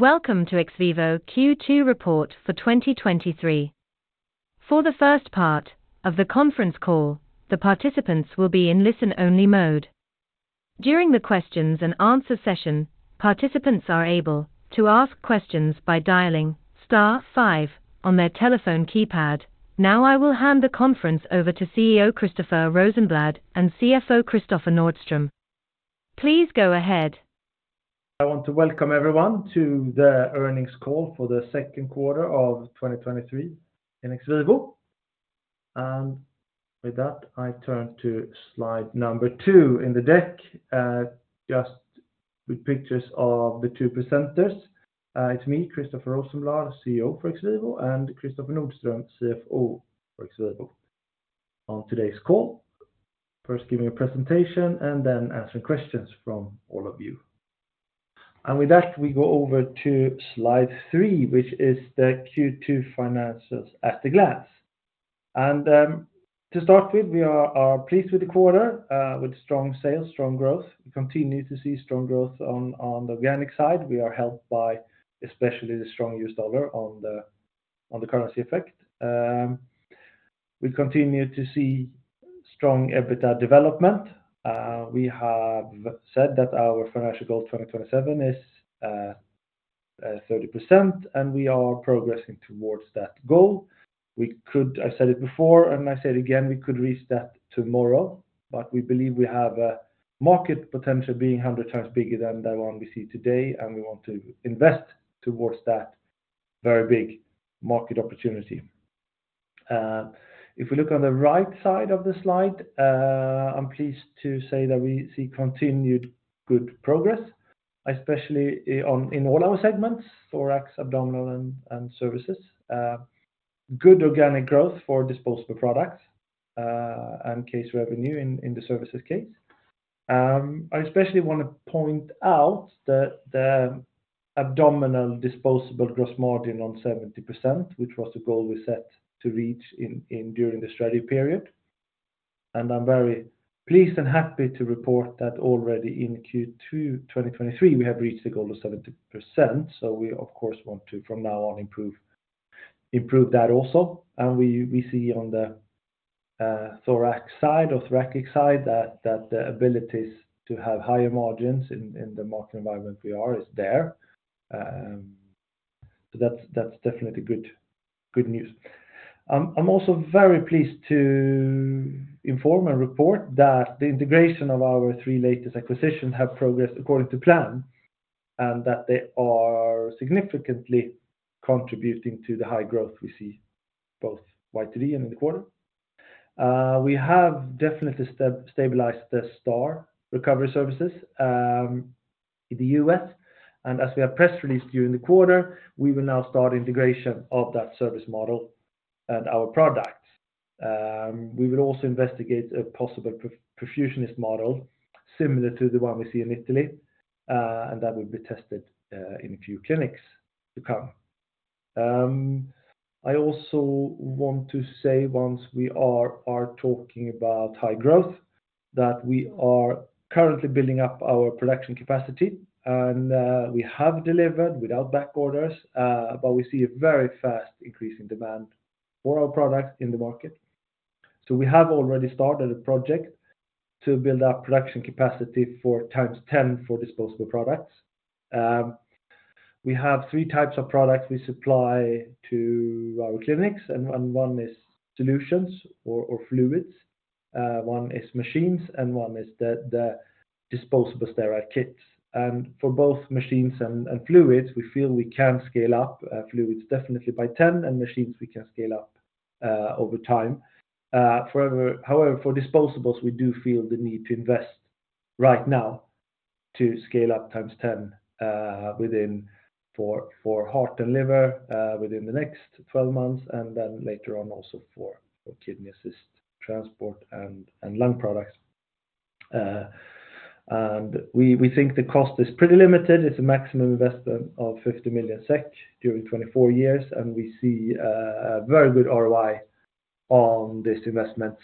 Welcome to XVIVO Q2 report for 2023. For the first part of the conference call, the participants will be in listen-only mode. During the questions and answer session, participants are able to ask questions by dialing star five on their telephone keypad. I will hand the conference over to CEO, Christoffer Rosenblad, and CFO, Kristoffer Nordström. Please go ahead. I want to welcome everyone to the earnings call for the second quarter of 2023 in XVIVO. With that, I turn to slide number 2 in the deck, just with pictures of the two presenters. It's me, Christoffer Rosenblad, CEO for XVIVO, and Kristoffer Nordström, CFO for XVIVO, on today's call. First, giving a presentation and then answering questions from all of you. With that, we go over to slide 3, which is the Q2 finances at a glance. To start with, we are pleased with the quarter, with strong sales, strong growth. We continue to see strong growth on the organic side. We are helped by especially the strong U.S. dollar on the currency effect. We continue to see strong EBITDA development. We have said that our financial goal, 2027, is 30%. We are progressing towards that goal. I said it before, and I say it again, we could reach that tomorrow, but we believe we have a market potential being 100 times bigger than the one we see today. We want to invest towards that very big market opportunity. If we look on the right side of the slide, I'm pleased to say that we see continued good progress, especially in all our segments, thorax, abdominal, and services. Good organic growth for disposable products and case revenue in the services case. I especially want to point out that the abdominal disposable gross margin on 70%, which was the goal we set to reach during the strategy period. I'm very pleased and happy to report that already in Q2 2023, we have reached the goal of 70%. We, of course, want to, from now on, improve that also. We see on the thorax side or thoracic side, that the abilities to have higher margins in the market environment we are, is there. So that's definitely good news. I'm also very pleased to inform and report that the integration of our 3 latest acquisitions have progressed according to plan, and that they are significantly contributing to the high growth we see both YTD and in the quarter. We have definitely stabilized the STAR Recovery Services in the U.S.. As we have press released during the quarter, we will now start integration of that service model and our products. We will also investigate a possible perfusionist model similar to the one we see in Italy, and that will be tested in a few clinics to come. I also want to say, once we are talking about high growth, that we are currently building up our production capacity, and we have delivered without back orders, but we see a very fast increase in demand for our products in the market. We have already started a project to build up production capacity for 10 times for disposable products. We have three types of products we supply to our clinics, and one is solutions or fluids, one is machines, and one is the disposable sterile kits. For both machines and fluids, we feel we can scale up fluids definitely by 10, and machines we can scale up over time. However, for disposables, we do feel the need to invest right now to scale up times 10 within for heart and liver within the next 12 months, and then later on, also for Kidney Assist Transport and lung products. We think the cost is pretty limited. It's a maximum investment of 50 million SEK during 24 years, and we see a very good ROI on this investment,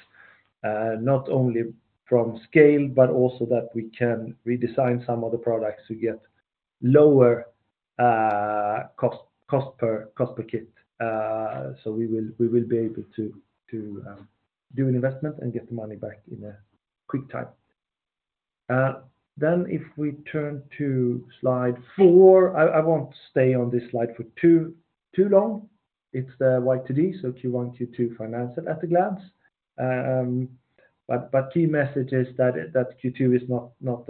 not only from scale, but also that we can redesign some of the products to get lower cost per kit. We will be able to do an investment and get the money back in a quick time. If we turn to slide 4, I won't stay on this slide for too long. It's the YTD, Q1, Q2 financing at a glance. Key message is that Q2 is not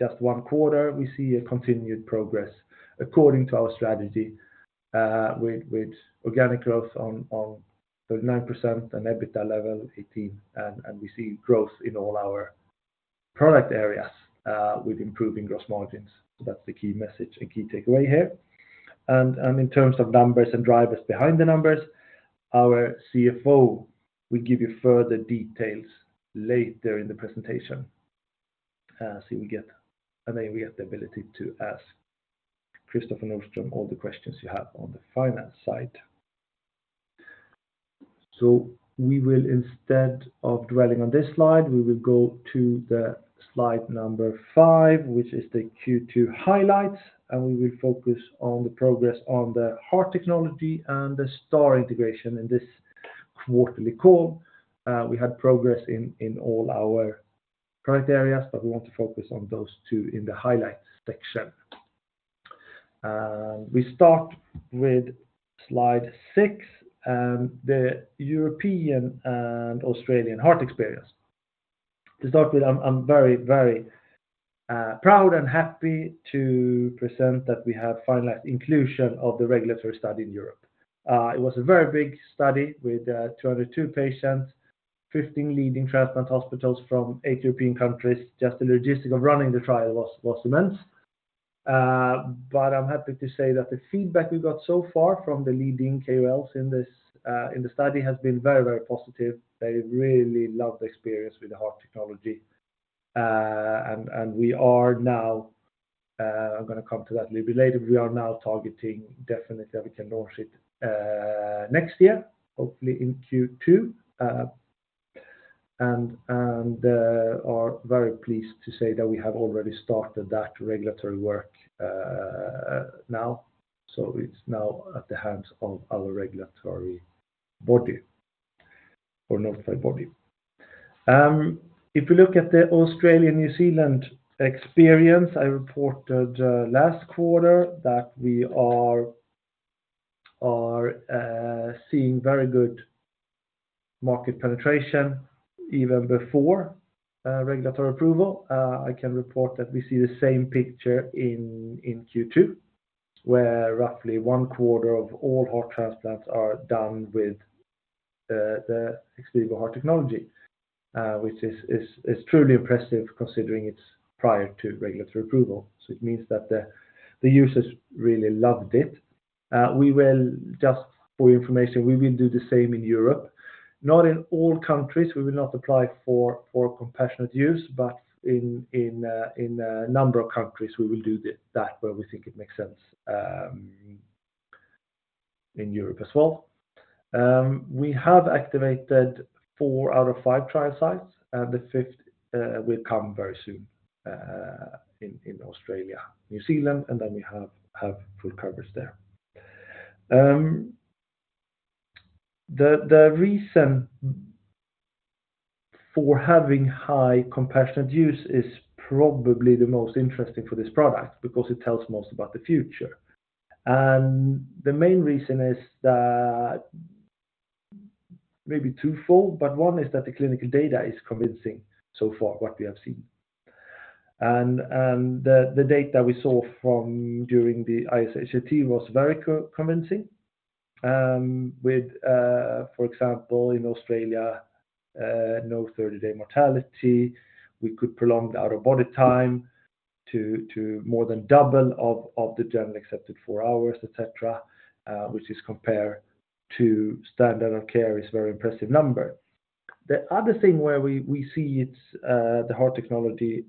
just one quarter. We see a continued progress according to our strategy with organic growth on 39% and EBITDA level 18, we see growth in all our product areas with improving gross margins. That's the key message and key takeaway here. In terms of numbers and drivers behind the numbers, our CFO will give you further details later in the presentation. We get the ability to ask Kristoffer Nordström all the questions you have on the finance side. We will instead of dwelling on this slide, we will go to slide 5, which is the Q2 highlights, and we will focus on the progress on the Heart Technology and the STAR integration in this quarterly call. We had progress in all our product areas, but we want to focus on those two in the highlights section. We start with slide 6, the European and Australian Heart experience. To start with, I'm very proud and happy to present that we have finalized inclusion of the regulatory study in Europe. It was a very big study with 202 patients, 15 leading transplant hospitals from 8 European countries. Just the logistic of running the trial was immense. I'm happy to say that the feedback we got so far from the leading KOLs in this in the study has been very, very positive. They really love the experience with the Heart Technology. We are now, I'm going to come to that little bit later. We are now targeting definitely that we can launch it next year, hopefully in Q2. Are very pleased to say that we have already started that regulatory work now. It's now at the hands of our regulatory body or notified body. If you look at the Australian, New Zealand experience, I reported last quarter that we are seeing very good market penetration even before regulatory approval. I can report that we see the same picture in Q2, where roughly one quarter of all heart transplants are done with the XVIVO Heart Technology, which is truly impressive considering it's prior to regulatory approval. It means that the users really loved it. We will, just for your information, do the same in Europe. Not in all countries. We will not apply for compassionate use, but in a number of countries, we will do that where we think it makes sense in Europe as well. We have activated four out of five trial sites, and the fifth will come very soon in Australia, New Zealand, and then we have full coverage there. The reason for having high compassionate use is probably the most interesting for this product because it tells most about the future. The main reason is that maybe twofold, but one is that the clinical data is convincing so far, what we have seen. The data we saw from during the ISHLT was very convincing with, for example, in Australia, no 30-day mortality. We could prolong the out-of-body time to more than double of the generally accepted four hours, et cetera, which is compared to standard of care, is a very impressive number. The other thing where we see it's the XVIVO Heart Technology,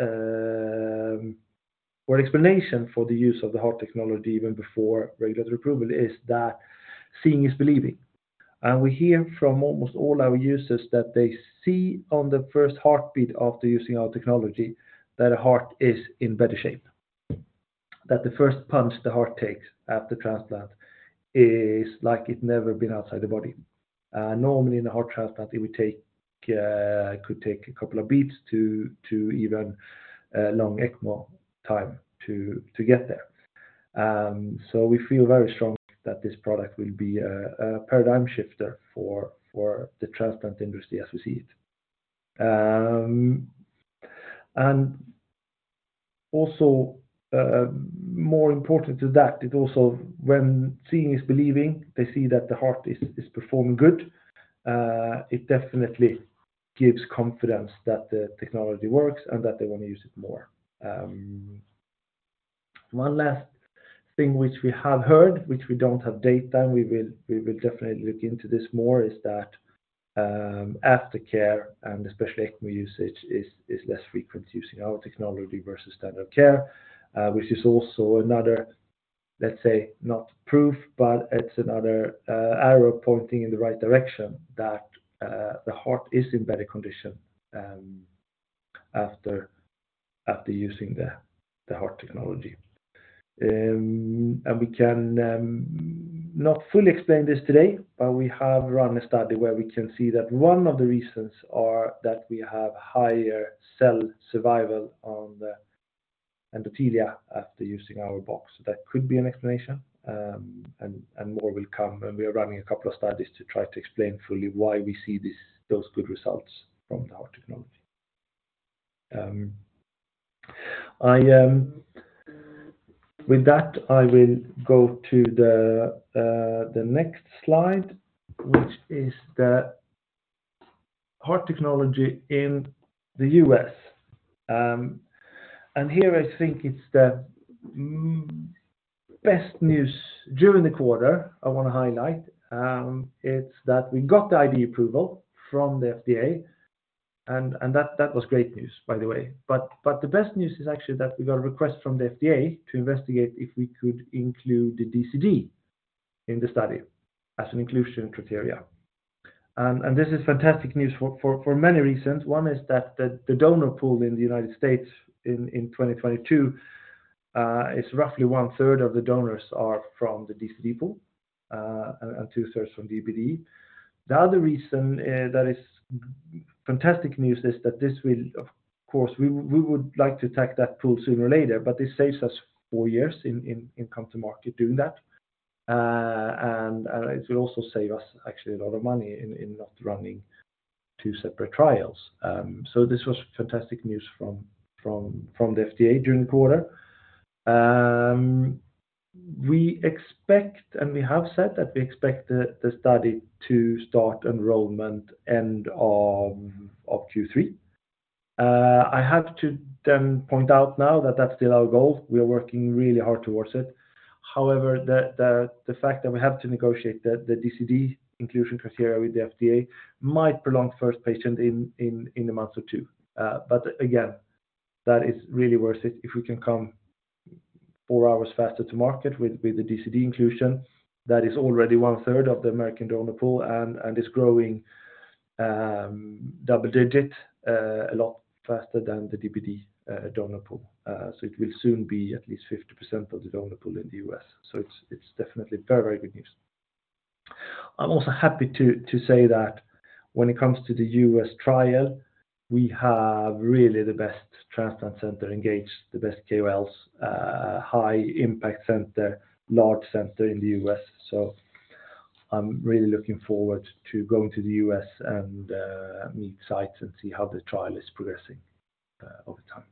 or explanation for the use of the XVIVO Heart Technology even before regulatory approval is that seeing is believing. We hear from almost all our users that they see on the first heartbeat after using our technology, that a heart is in better shape. The first punch the heart takes after transplant is like it never been outside the body. Normally, in a heart transplant, it would take, could take a couple of beats to even long ECMO time to get there. We feel very strong that this product will be a paradigm shifter for the transplant industry as we see it. Also, more important to that, it also when seeing is believing, they see that the heart is performing good, it definitely gives confidence that the technology works and that they want to use it more. One last thing which we have heard, which we don't have data, we will definitely look into this more, is that aftercare, and especially ECMO usage, is less frequent using our technology versus standard of care, which is also another, let's say, not proof, but it's another arrow pointing in the right direction that the heart is in better condition after using the heart technology. We can not fully explain this today, but we have run a study where we can see that one of the reasons are that we have higher cell survival on the endothelium after using our box. That could be an explanation, and more will come, and we are running a couple of studies to try to explain fully why we see those good results from the heart technology. With that, I will go to the next slide, which is the Heart Technology in the U.S. Here I think it's the best news during the quarter I want to highlight, it's that we got the IDE approval from the FDA. That was great news, by the way. The best news is actually that we got a request from the FDA to investigate if we could include the DCD in the study as an inclusion criteria. This is fantastic news for many reasons. One is that the donor pool in the United States in 2022 is roughly one-third of the donors are from the DC pool and two-thirds from DBD. The other reason that is fantastic news is that this will, of course, we would like to attack that pool sooner or later, but this saves us four years in come to market doing that. It will also save us actually a lot of money in not running two separate trials. This was fantastic news from the FDA during the quarter. We expect, and we have said that we expect the study to start enrollment end of Q3. I have to point out now that that's still our goal. We are working really hard towards it. However, the fact that we have to negotiate the DCD inclusion criteria with the FDA might prolong first patient in a month or two. Again, that is really worth it if we can come four hours faster to market with the DCD inclusion, that is already one-third of the American donor pool and is growing double-digit a lot faster than the DBD donor pool. It will soon be at least 50% of the donor pool in the U.S.. It's definitely very good news. I'm also happy to say that when it comes to the U.S. trial, we have really the best transplant center engaged, the best KOLs, high impact center, large center in the U.S.. I'm really looking forward to going to the U.S. and meet sites and see how the trial is progressing over time.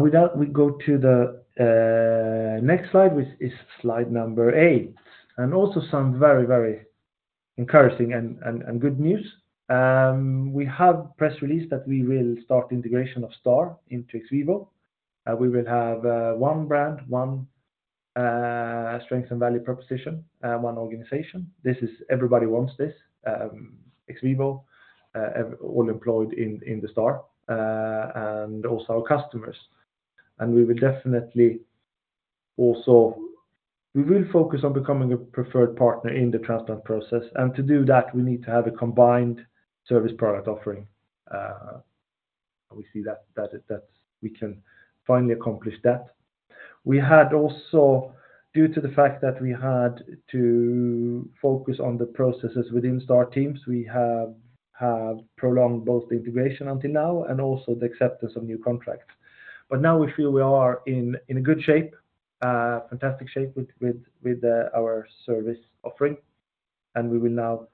With that, we go to the next slide, which is slide number eight, and also some very encouraging and good news. We have press release that we will start integration of Star into XVIVO. We will have one brand, one strength and value proposition, one organization. Everybody wants this, XVIVO, all employed in the Star, and also our customers. We will focus on becoming a preferred partner in the transplant process, and to do that, we need to have a combined service product offering. We see that's we can finally accomplish that. We had also, due to the fact that we had to focus on the processes within STAR Teams, we have prolonged both the integration until now and also the acceptance of new contracts. Now we feel we are in a good shape, fantastic shape with our service offering, and we will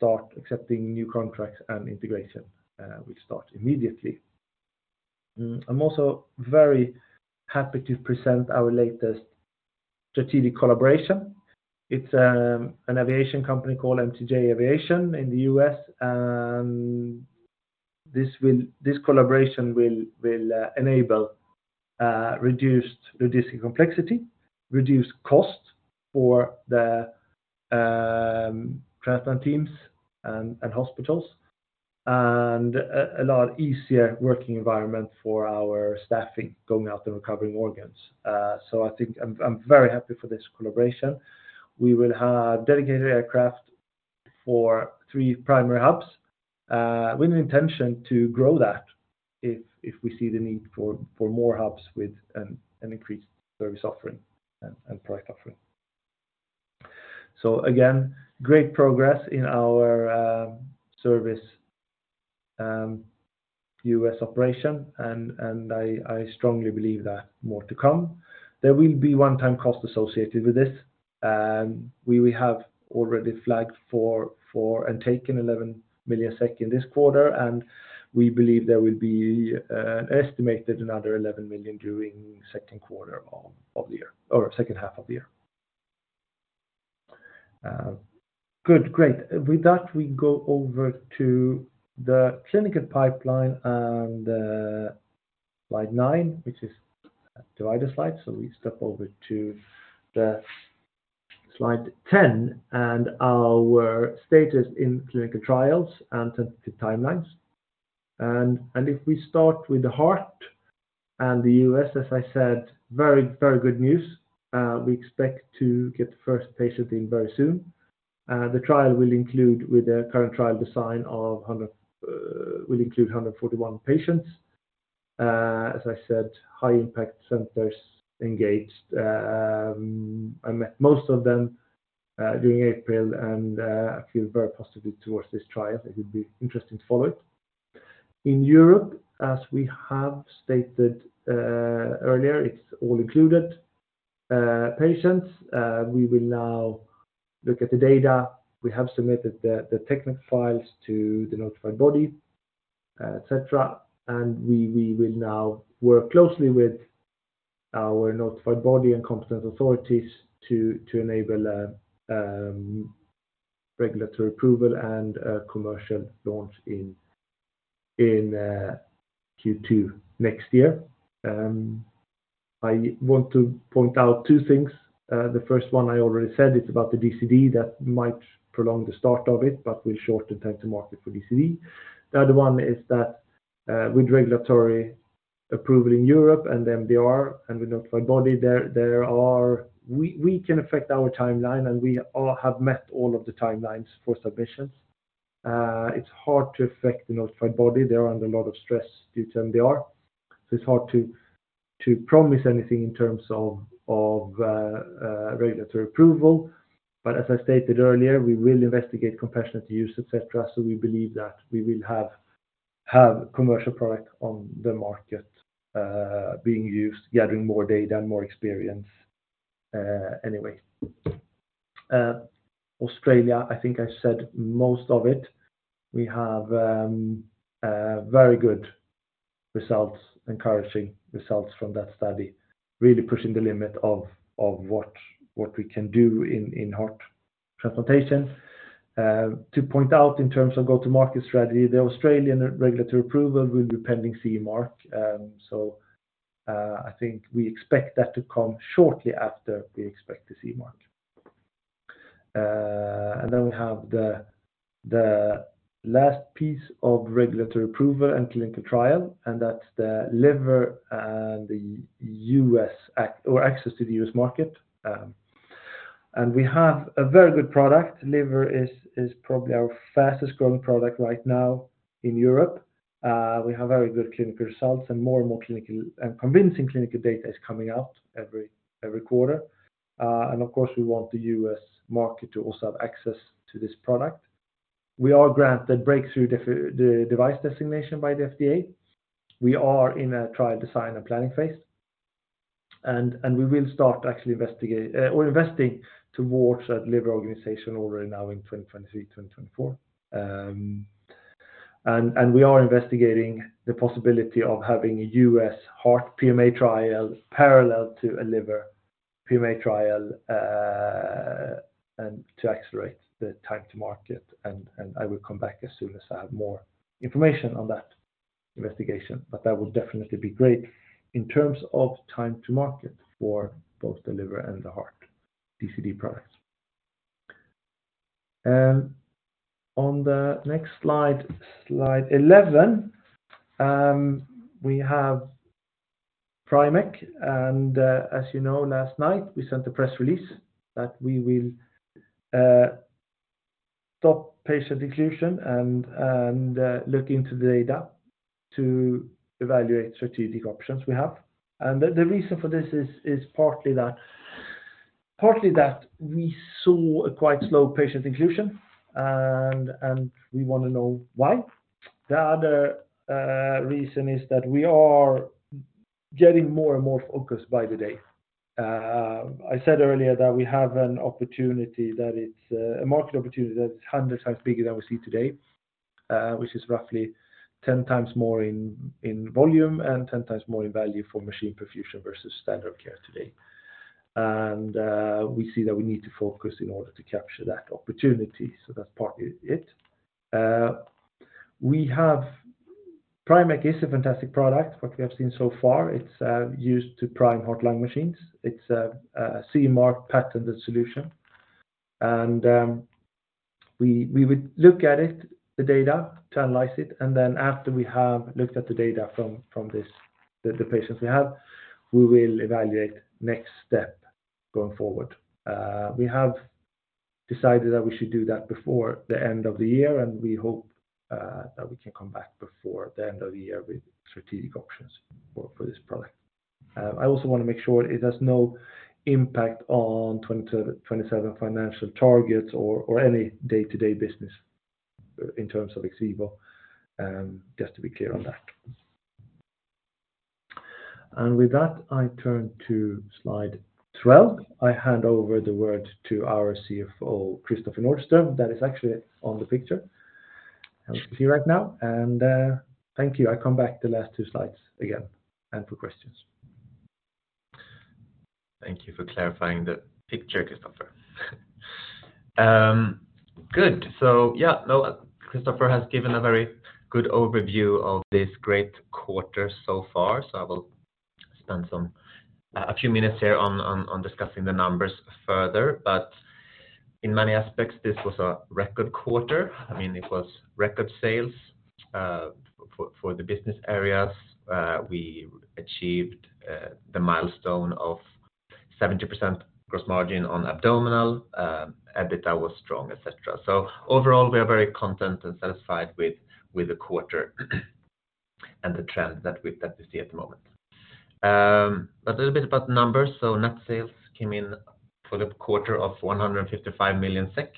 now start accepting new contracts and integration, which start immediately. I'm also very happy to present our latest strategic collaboration. It's an aviation company called MTJ Aviation in the U.S., and this collaboration will enable reduced logistic complexity, reduced costs for the transplant teams and hospitals, and a lot easier working environment for our staffing going out and recovering organs. I think I'm very happy for this collaboration. We will have dedicated aircraft for three primary hubs, with an intention to grow that if we see the need for more hubs with an increased service offering and product offering. Again, great progress in our service U.S. operation, and I strongly believe that more to come. There will be one-time cost associated with this, and we have already flagged for and taken 11 million SEK in this quarter, and we believe there will be an estimated another 11 million during second quarter of the year or second half of the year. Good, great. With that, we go over to the clinical pipeline and slide 9, which is the right slide. We step over to the slide 10, and our status in clinical trials and the timelines. If we start with the heart and the U.S., as I said, very, very good news. We expect to get the first patient in very soon. The trial will include, with the current trial design of 100, will include 141 patients. As I said, high impact centers engaged. I met most of them during April, and I feel very positive towards this trial. It will be interesting to follow it. In Europe, as we have stated earlier, it's all included patients. We will now look at the data. We have submitted the technical files to the notified body, et cetera, and we will now work closely with our notified body and competent authorities to enable a regulatory approval and a commercial launch in Q2 next year. I want to point out two things. The first 1 I already said, it's about the DCD that might prolong the start of it, but we shorten time to market for DCD. The other 1 is that, with regulatory approval in Europe and the MDR, and with notified body, we can affect our timeline, and we all have met all of the timelines for submissions. It's hard to affect the notified body. They are under a lot of stress due to MDR. It's hard to promise anything in terms of regulatory approval. As I stated earlier, we will investigate compassionate use, et cetera, so we believe that we will have commercial product on the market, being used, gathering more data and more experience, anyway. Australia, I think I said most of it. We have a very good results, encouraging results from that study, really pushing the limit of what we can do in heart transplantation. To point out in terms of go-to-market strategy, the Australian regulatory approval will be pending CE mark. I think we expect that to come shortly after we expect the CE mark. We have the last piece of regulatory approval and clinical trial, and that's the liver and the U.S., or access to the U.S. market. We have a very good product. Liver is probably our fastest-growing product right now in Europe. We have very good clinical results, and more and more clinical, and convincing clinical data is coming out every quarter. Of course, we want the U.S. market to also have access to this product. We are granted Breakthrough Device designation by the FDA. We are in a trial design and planning phase. We will start to actually investigate or investing towards that liver organization already now in 2023, 2024. We are investigating the possibility of having a U.S. heart PMA trial parallel to a liver PMA trial and to accelerate the time to market, I will come back as soon as I have more information on that investigation. That would definitely be great in terms of time to market for both the liver and the heart DCD products. On the next slide 11, we have PrimECC, as you know, last night, we sent a press release that we will stop patient inclusion, look into the data to evaluate strategic options we have. The reason for this is partly that we saw a quite slow patient inclusion, and we want to know why. The other reason is that we are getting more and more focused by the day. I said earlier that we have an opportunity, that it's a market opportunity that's 100 times bigger than we see today, which is roughly 10 times more in volume and 10 times more in value for machine perfusion versus standard care today. We see that we need to focus in order to capture that opportunity, so that's partly it. We have, PrimECC is a fantastic product. What we have seen so far, it's used to prime heart-lung machines. It's a CE mark patented solution, and we would look at it, the data, to analyze it, and then after we have looked at the data from this, the patients we have, we will evaluate next step going forward. We have decided that we should do that before the end of the year, and we hope that we can come back before the end of the year with strategic options for this product. I also want to make sure it has no impact on 2027 financial targets or any day-to-day business in terms of XVIVO, just to be clear on that. With that, I turn to slide 12. I hand over the word to our CFO, Kristoffer Nordström, that is actually on the picture. I see right now. Thank you. I come back the last two slides again, and for questions. Thank you for clarifying the picture, Kristoffer. Good. Yeah, no, Kristoffer has given a very good overview of this great quarter so far, I will spend a few minutes here on discussing the numbers further, in many aspects, this was a record quarter. I mean, it was record sales for the business areas. We achieved the milestone of 70% gross margin on abdominal, EBITDA was strong, et cetera. Overall, we are very content and satisfied with the quarter, and the trend that we see at the moment. A little bit about numbers. Net sales came in for the quarter of 155 million SEK.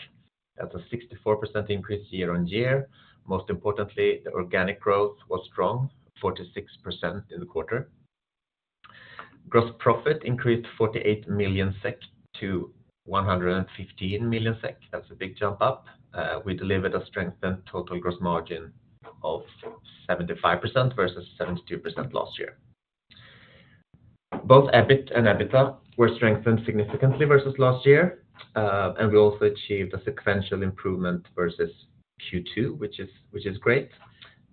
That's a 64% increase year-on-year. Most importantly, the organic growth was strong, 46% in the quarter. Gross profit increased 48 million SEK to 115 million SEK. That's a big jump up. We delivered a strengthened total gross margin of 75% versus 72% last year. Both EBIT and EBITDA were strengthened significantly versus last year, and we also achieved a sequential improvement versus Q2, which is great.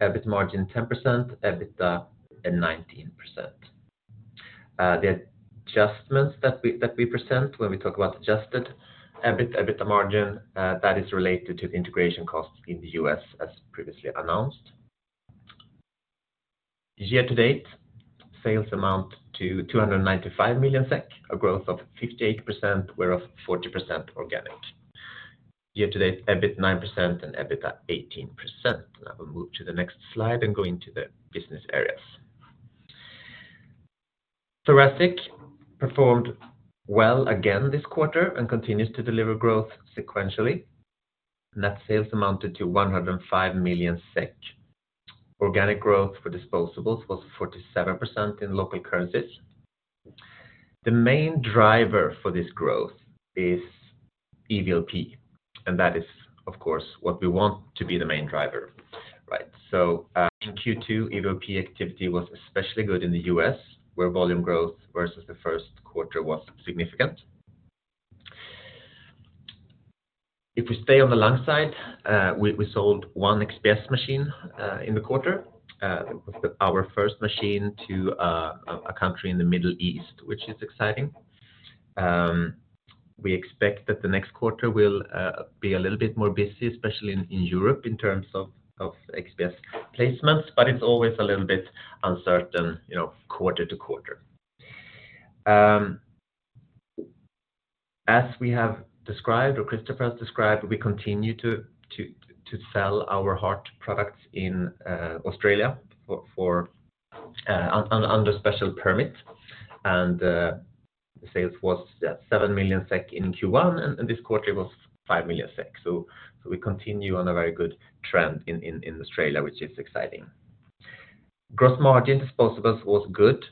EBIT margin 10%, EBITDA at 19%. The adjustments that we present when we talk about adjusted EBIT, EBITDA margin, that is related to the integration costs in the U.S. as previously announced. Year to date, sales amount to 295 million SEK, a growth of 58%, whereof 40% organic. Year to date, EBIT 9% and EBITDA 18%. I will move to the next slide and go into the business areas. Thoracic performed well again this quarter and continues to deliver growth sequentially. Net sales amounted to 105 million SEK. Organic growth for disposables was 47% in local currencies. The main driver for this growth is EVLP, that is, of course, what we want to be the main driver, right? In Q2, EVLP activity was especially good in the U.S., where volume growth versus the first quarter was significant. If we stay on the lung side, we sold one XPS machine in the quarter, our first machine to a country in the Middle East, which is exciting. We expect that the next quarter will be a little bit more busy, especially in Europe, in terms of XPS placements, it's always a little bit uncertain, you know, quarter to quarter. As we have described, or Kristoffer has described, we continue to sell our heart products in Australia for under special permit. The sales was 7 million SEK in Q1, and this quarter was 5 million SEK. We continue on a very good trend in Australia, which is exciting. Gross margin disposables was good,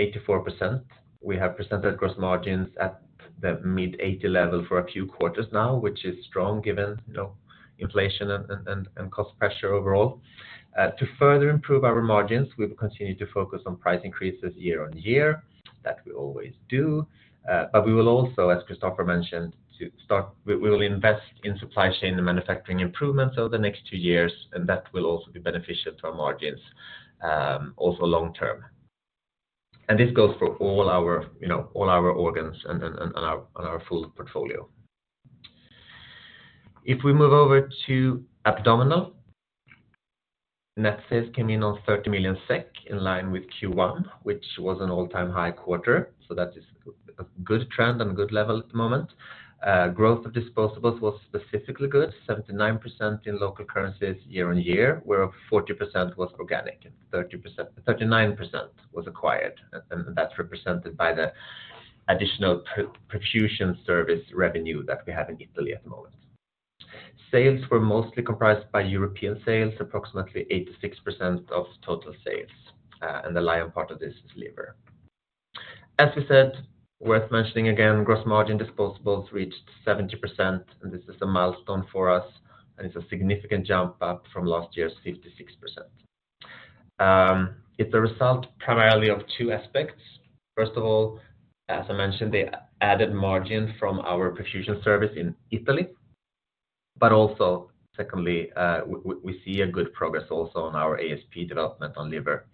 84%. We have presented gross margins at the mid-80 level for a few quarters now, which is strong, given, you know, inflation and cost pressure overall. To further improve our margins, we will continue to focus on price increases year-on-year. That we always do, we will also, as Kristoffer mentioned, we will invest in supply chain and manufacturing improvements over the next two years, that will also be beneficial to our margins, also long term. This goes for all our, you know, all our organs and our full portfolio. If we move over to abdominal, net sales came in on 30 million SEK, in line with Q1, which was an all-time high quarter, that is a good trend and a good level at the moment. Growth of disposables was specifically good, 79% in local currencies year-over-year, where 40% was organic, 39% was acquired, that's represented by the additional Perfusion Service revenue that we have in Italy at the moment. Sales were mostly comprised by European sales, approximately 86% of total sales, and the lion part of this is liver. As we said, worth mentioning again, gross margin disposables reached 70%, and this is a milestone for us, and it's a significant jump up from last year's 56%. It's a result primarily of two aspects. First of all, as I mentioned, the added margin from our Perfusion Service in Italy, but also, secondly, we see a good progress also on our ASP development on liver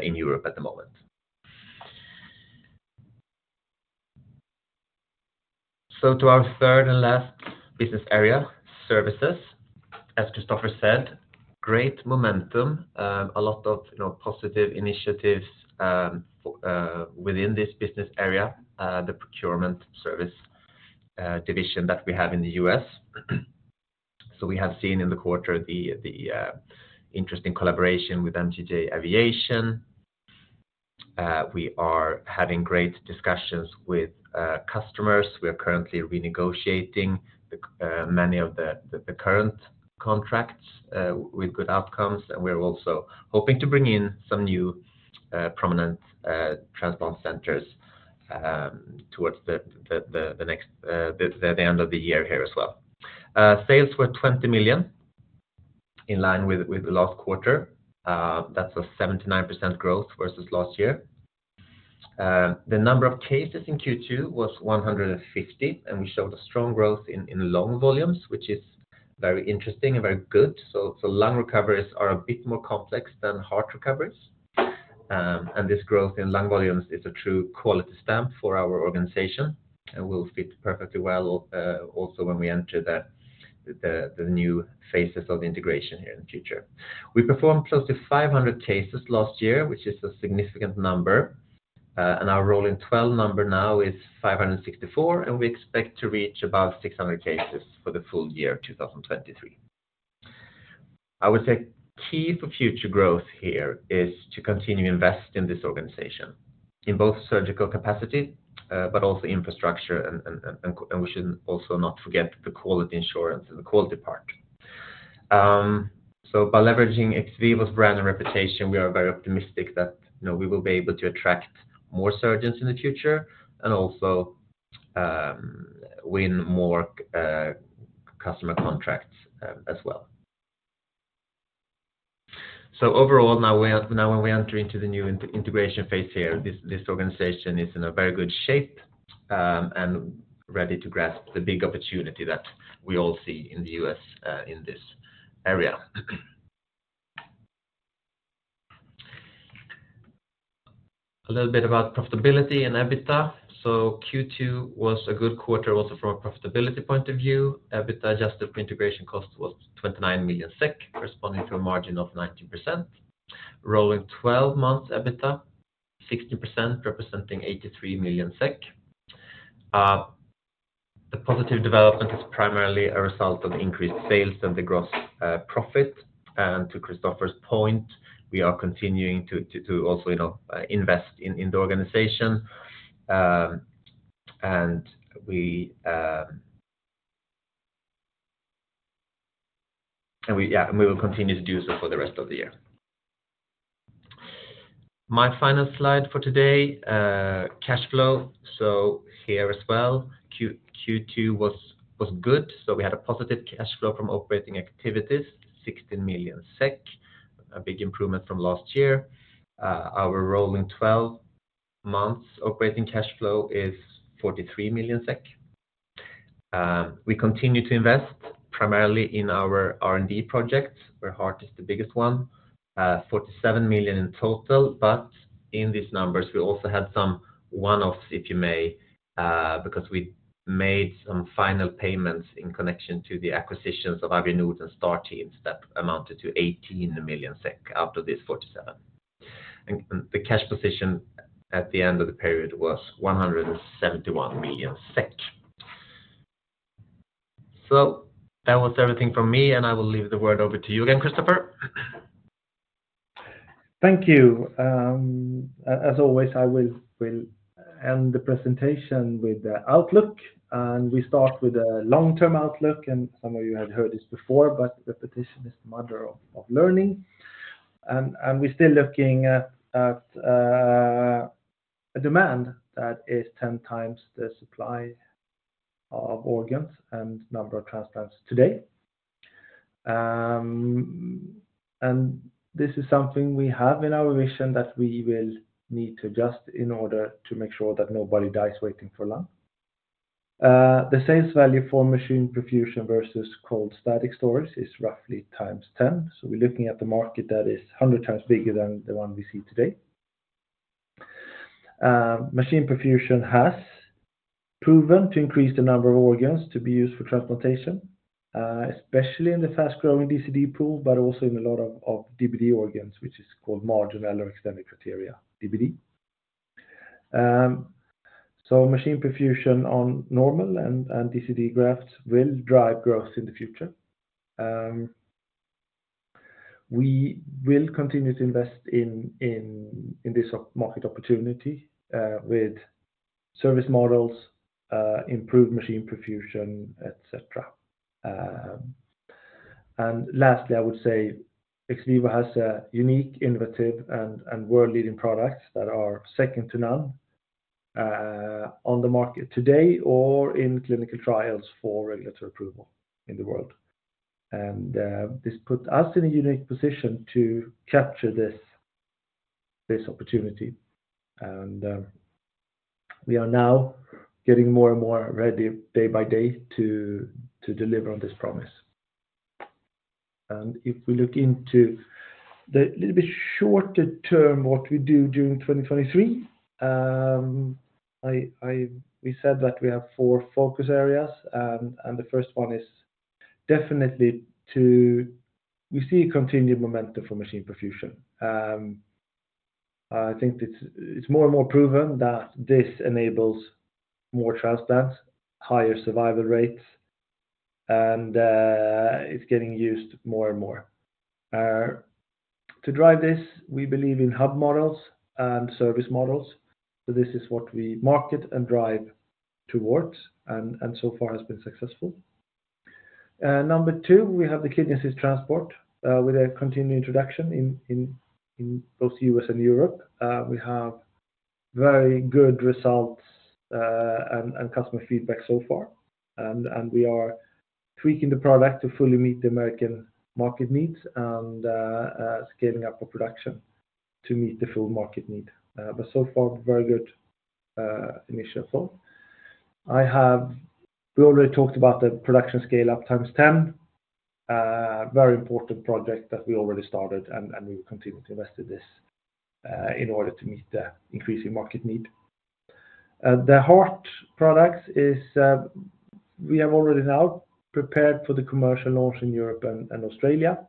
in Europe at the moment. To our third and last business area, services. As Kristoffer said, great momentum, a lot of, you know, positive initiatives within this business area, the procurement service division that we have in the U.S.. We have seen in the quarter the interesting collaboration with MTJ Aviation. We are having great discussions with customers. We are currently renegotiating the many of the current contracts with good outcomes, and we're also hoping to bring in some new prominent transplant centers towards the end of the year here as well. Sales were 20 million, in line with the last quarter. That's a 79% growth versus last year. The number of cases in Q2 was 150, and we showed a strong growth in lung volumes, which is very interesting and very good. Lung recoveries are a bit more complex than heart recoveries. This growth in lung volumes is a true quality stamp for our organization and will fit perfectly well also when we enter the new phases of integration here in the future. We performed close to 500 cases last year, which is a significant number, our rolling 12 number now is 564, and we expect to reach about 600 cases for the full year of 2023. I would say key for future growth here is to continue to invest in this organization in both surgical capacity, also infrastructure, and we should also not forget the quality insurance and the quality part. By leveraging XVIVO's brand and reputation, we are very optimistic that, you know, we will be able to attract more surgeons in the future and also win more customer contracts as well. Overall, now when we enter into the new integration phase here, this organization is in a very good shape and ready to grasp the big opportunity that we all see in the U.S. in this area. A little bit about profitability and EBITDA. Q2 was a good quarter also from a profitability point of view. EBITDA, adjusted for integration cost, was 29 million SEK, corresponding to a margin of 90%. Rolling 12 months EBITDA, 60%, representing SEK 83 million. The positive development is primarily a result of increased sales and the gross profit. To Christoffer's point, we are continuing to also, you know, invest in the organization, and we will continue to do so for the rest of the year. My final slide for today, cash flow. Here as well, Q2 was good, so we had a positive cash flow from operating activities, 16 million SEK, a big improvement from last year. Our rolling 12 months operating cash flow is 43 million SEK. We continue to invest, primarily in our R&D projects, where heart is the biggest one, 47 million in total, but in these numbers, we also had some one-offs, if you may, because we made some final payments in connection to the acquisitions of Avionord and STAR Teams that amounted to 18 million SEK out of this 47. The cash position at the end of the period was 171 million SEK. That was everything from me, and I will leave the word over to you again, Christoffer. Thank you. As always, I will end the presentation with the outlook, we start with a long-term outlook, some of you have heard this before, repetition is the mother of learning. We're still looking at a demand that is 10 times the supply of organs and number of transplants today. This is something we have in our vision that we will need to adjust in order to make sure that nobody dies waiting for lung. The sales value for machine perfusion versus static cold storage is roughly times 10. We're looking at the market that is 100 times bigger than the one we see today. Machine perfusion has proven to increase the number of organs to be used for transplantation, especially in the fast-growing DCD pool, but also in a lot of DBD organs, which is called marginal or extended criteria DBD. Machine perfusion on normal and DCD grafts will drive growth in the future. We will continue to invest in this market opportunity with service models, improved machine perfusion, et cetera. Lastly, I would say XVIVO has a unique, innovative, and world-leading products that are second to none on the market today or in clinical trials for regulatory approval in the world. This put us in a unique position to capture this opportunity. We are now getting more and more ready day by day to deliver on this promise. If we look into the little bit shorter term, what we do during 2023, we said that we have four focus areas, and the first one is definitely to we see continued momentum for machine perfusion. I think it's more and more proven that this enables more transplants, higher survival rates, and it's getting used more and more. To drive this, we believe in hub models and service models, so this is what we market and drive towards, and so far has been successful. Number two, we have the Kidney Assist Transport, with a continued introduction in both U.S. and Europe. We have very good results, and customer feedback so far, and we are tweaking the product to fully meet the American market needs and scaling up our production to meet the full market need. So far, very good initial thought. We already talked about the production scale-up times 10, very important project that we already started, and we will continue to invest in this in order to meet the increasing market need. The heart products is, we have already now prepared for the commercial launch in Europe and Australia,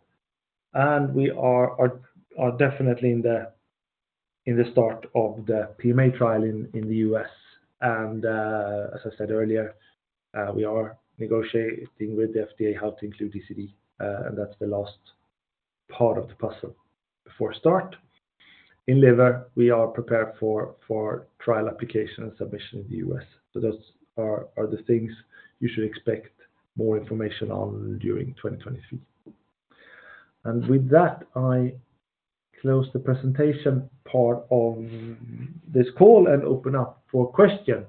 and we are definitely in the start of the PMA trial in the U.S. As I said earlier, we are negotiating with the FDA how to include DCD, and that's the last part of the puzzle before start. In liver, we are prepared for trial application and submission in the U.S. Those are the things you should expect more information on during 2023. With that, I close the presentation part of this call and open up for question.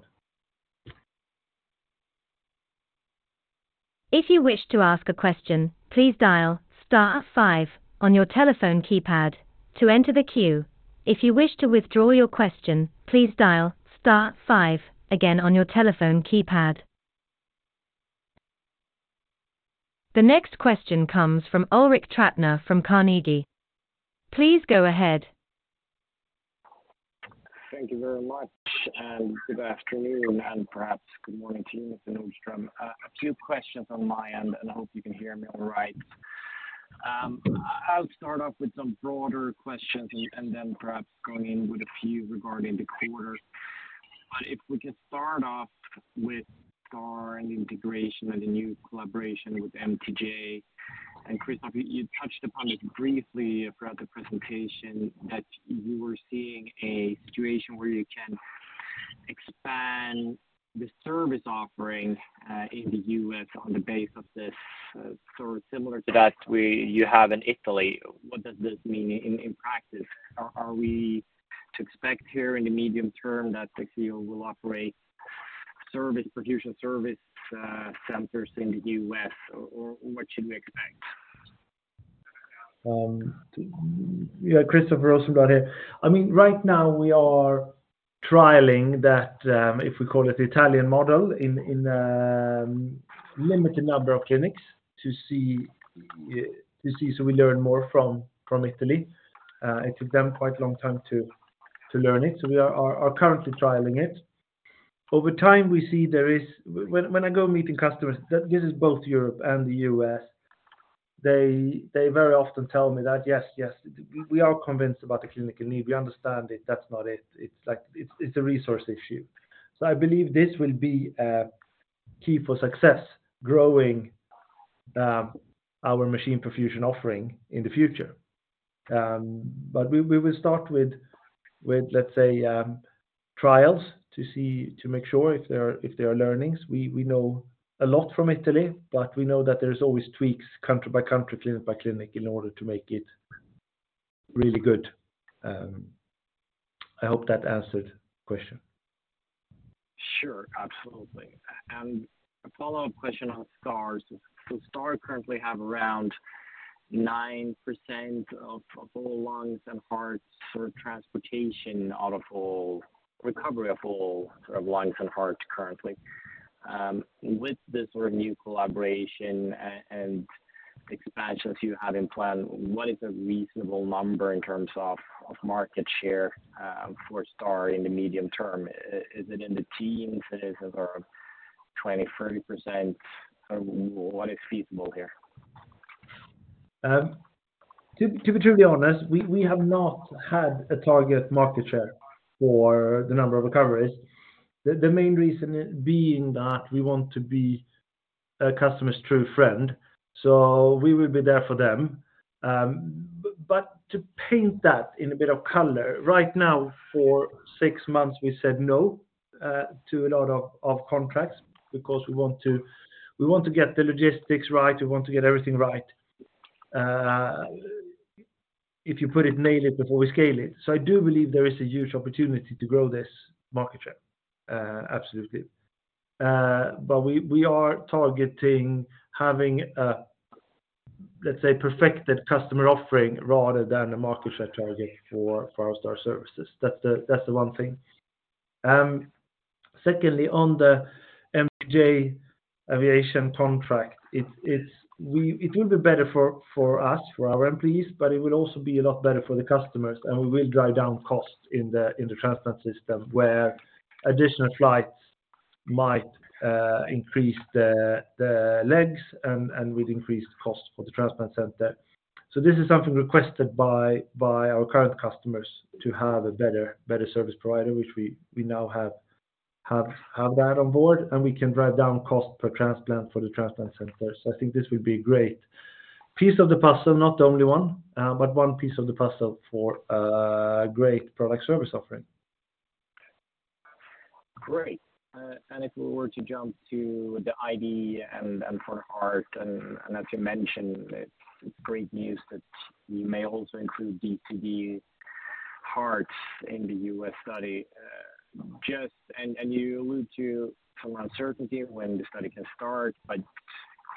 If you wish to ask a question, please dial star five on your telephone keypad to enter the queue. If you wish to withdraw your question, please dial star five again on your telephone keypad. The next question comes from Ulrik Trattner from Carnegie. Please go ahead. Thank you very much, good afternoon, and perhaps good morning to you, Mr. Nordström. A few questions on my end, I hope you can hear me all right. I'll start off with some broader questions, then perhaps going in with a few regarding the quarter. If we could start off with STAR and integration and the new collaboration with MTJ. Kristoffer, you touched upon this briefly throughout the presentation, that you were seeing a situation where you can expand the service offering in the U.S. on the base of this, sort of similar to that you have in Italy. What does this mean in practice? Are we to expect here in the medium term that XVIVO will operate service, Perfusion Service, centers in the U.S., or what should we expect? Yeah, Kristoffer will also about here. I mean, right now we are trialing that, if we call it the Italian model, in limited number of clinics to see so we learn more from Italy. It took them quite a long time to learn it, so we are currently trialing it. Over time, we see when I go meeting customers, that gives us both Europe and the U.S., they very often tell me that, "Yes, yes, we are convinced about the clinical need. We understand it. That's not it. It's like it's a resource issue." I believe this will be a key for success, growing our machine perfusion offering in the future. We will start with, let's say, trials to see, to make sure if there are learnings. We know a lot from Italy, we know that there's always tweaks country by country, clinic by clinic, in order to make it really good. I hope that answered the question? Sure. Absolutely. A follow-up question on STAR Teams. STAR Teams currently have around 9% of all lungs and hearts, sort of transportation out of all recovery, of all sort of lungs and hearts currently. With this sort of new collaboration and expansion to having plan, what is a reasonable number in terms of market share for STAR Teams in the medium term? Is it in the teens, is it around 20%, 30%? What is feasible here? To be truly honest, we have not had a target market share for the number of recoveries. The main reason being that we want to be a customer's true friend, so we will be there for them. To paint that in a bit of color, right now, for six months, we said no to a lot of contracts because we want to get the logistics right, we want to get everything right. If you put it, nail it before we scale it. I do believe there is a huge opportunity to grow this market share, absolutely. We are targeting having a, let's say, perfected customer offering rather than a market share target for our STAR services. That's the one thing. Secondly, on the MTJ Aviation contract, it will be better for us, for our employees. It will also be a lot better for the customers. We will drive down costs in the, in the transplant system, where additional flights might increase the legs and with increased costs for the transplant center. This is something requested by our current customers to have a better service provider, which we now have that on board. We can drive down cost per transplant for the transplant center. I think this will be a great piece of the puzzle, not the only one, but one piece of the puzzle for a great product service offering. Great. If we were to jump to the IDE and for heart, and as you mentioned, it's great news that you may also include DCD hearts in the U.S. study. Just, and you allude to some uncertainty when the study can start, but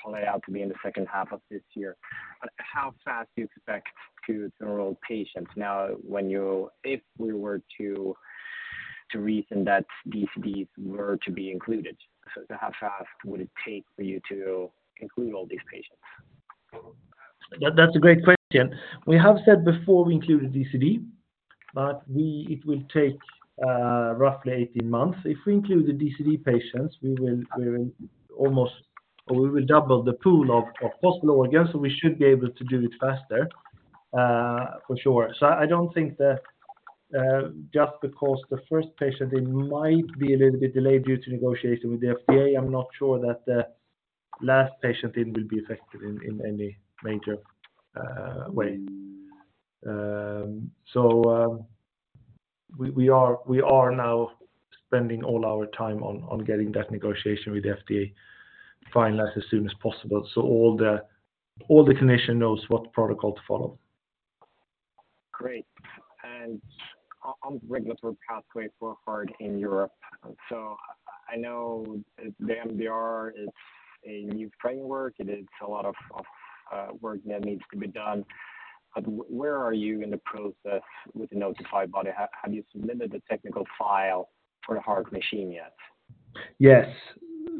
call it out to be in the second half of this year. How fast do you expect to enroll patients? Now, when you if we were to reason that DCDs were to be included, how fast would it take for you to include all these patients? That's a great question. We have said before we include a DCD, but it will take roughly 18 months. If we include the DCD patients, we will almost or we will double the pool of possible organs, so we should be able to do it faster for sure. I don't think that just because the first patient, it might be a little bit delayed due to negotiation with the FDA, I'm not sure that the last patient then will be affected in any major way. We are now spending all our time on getting that negotiation with the FDA finalized as soon as possible. All the clinician knows what protocol to follow. Great. On regulatory pathway for heart in Europe. I know the MDR is a new framework, and it's a lot of work that needs to be done. Where are you in the process with the notified body? Have you submitted the technical file for the heart machine yet? Yes,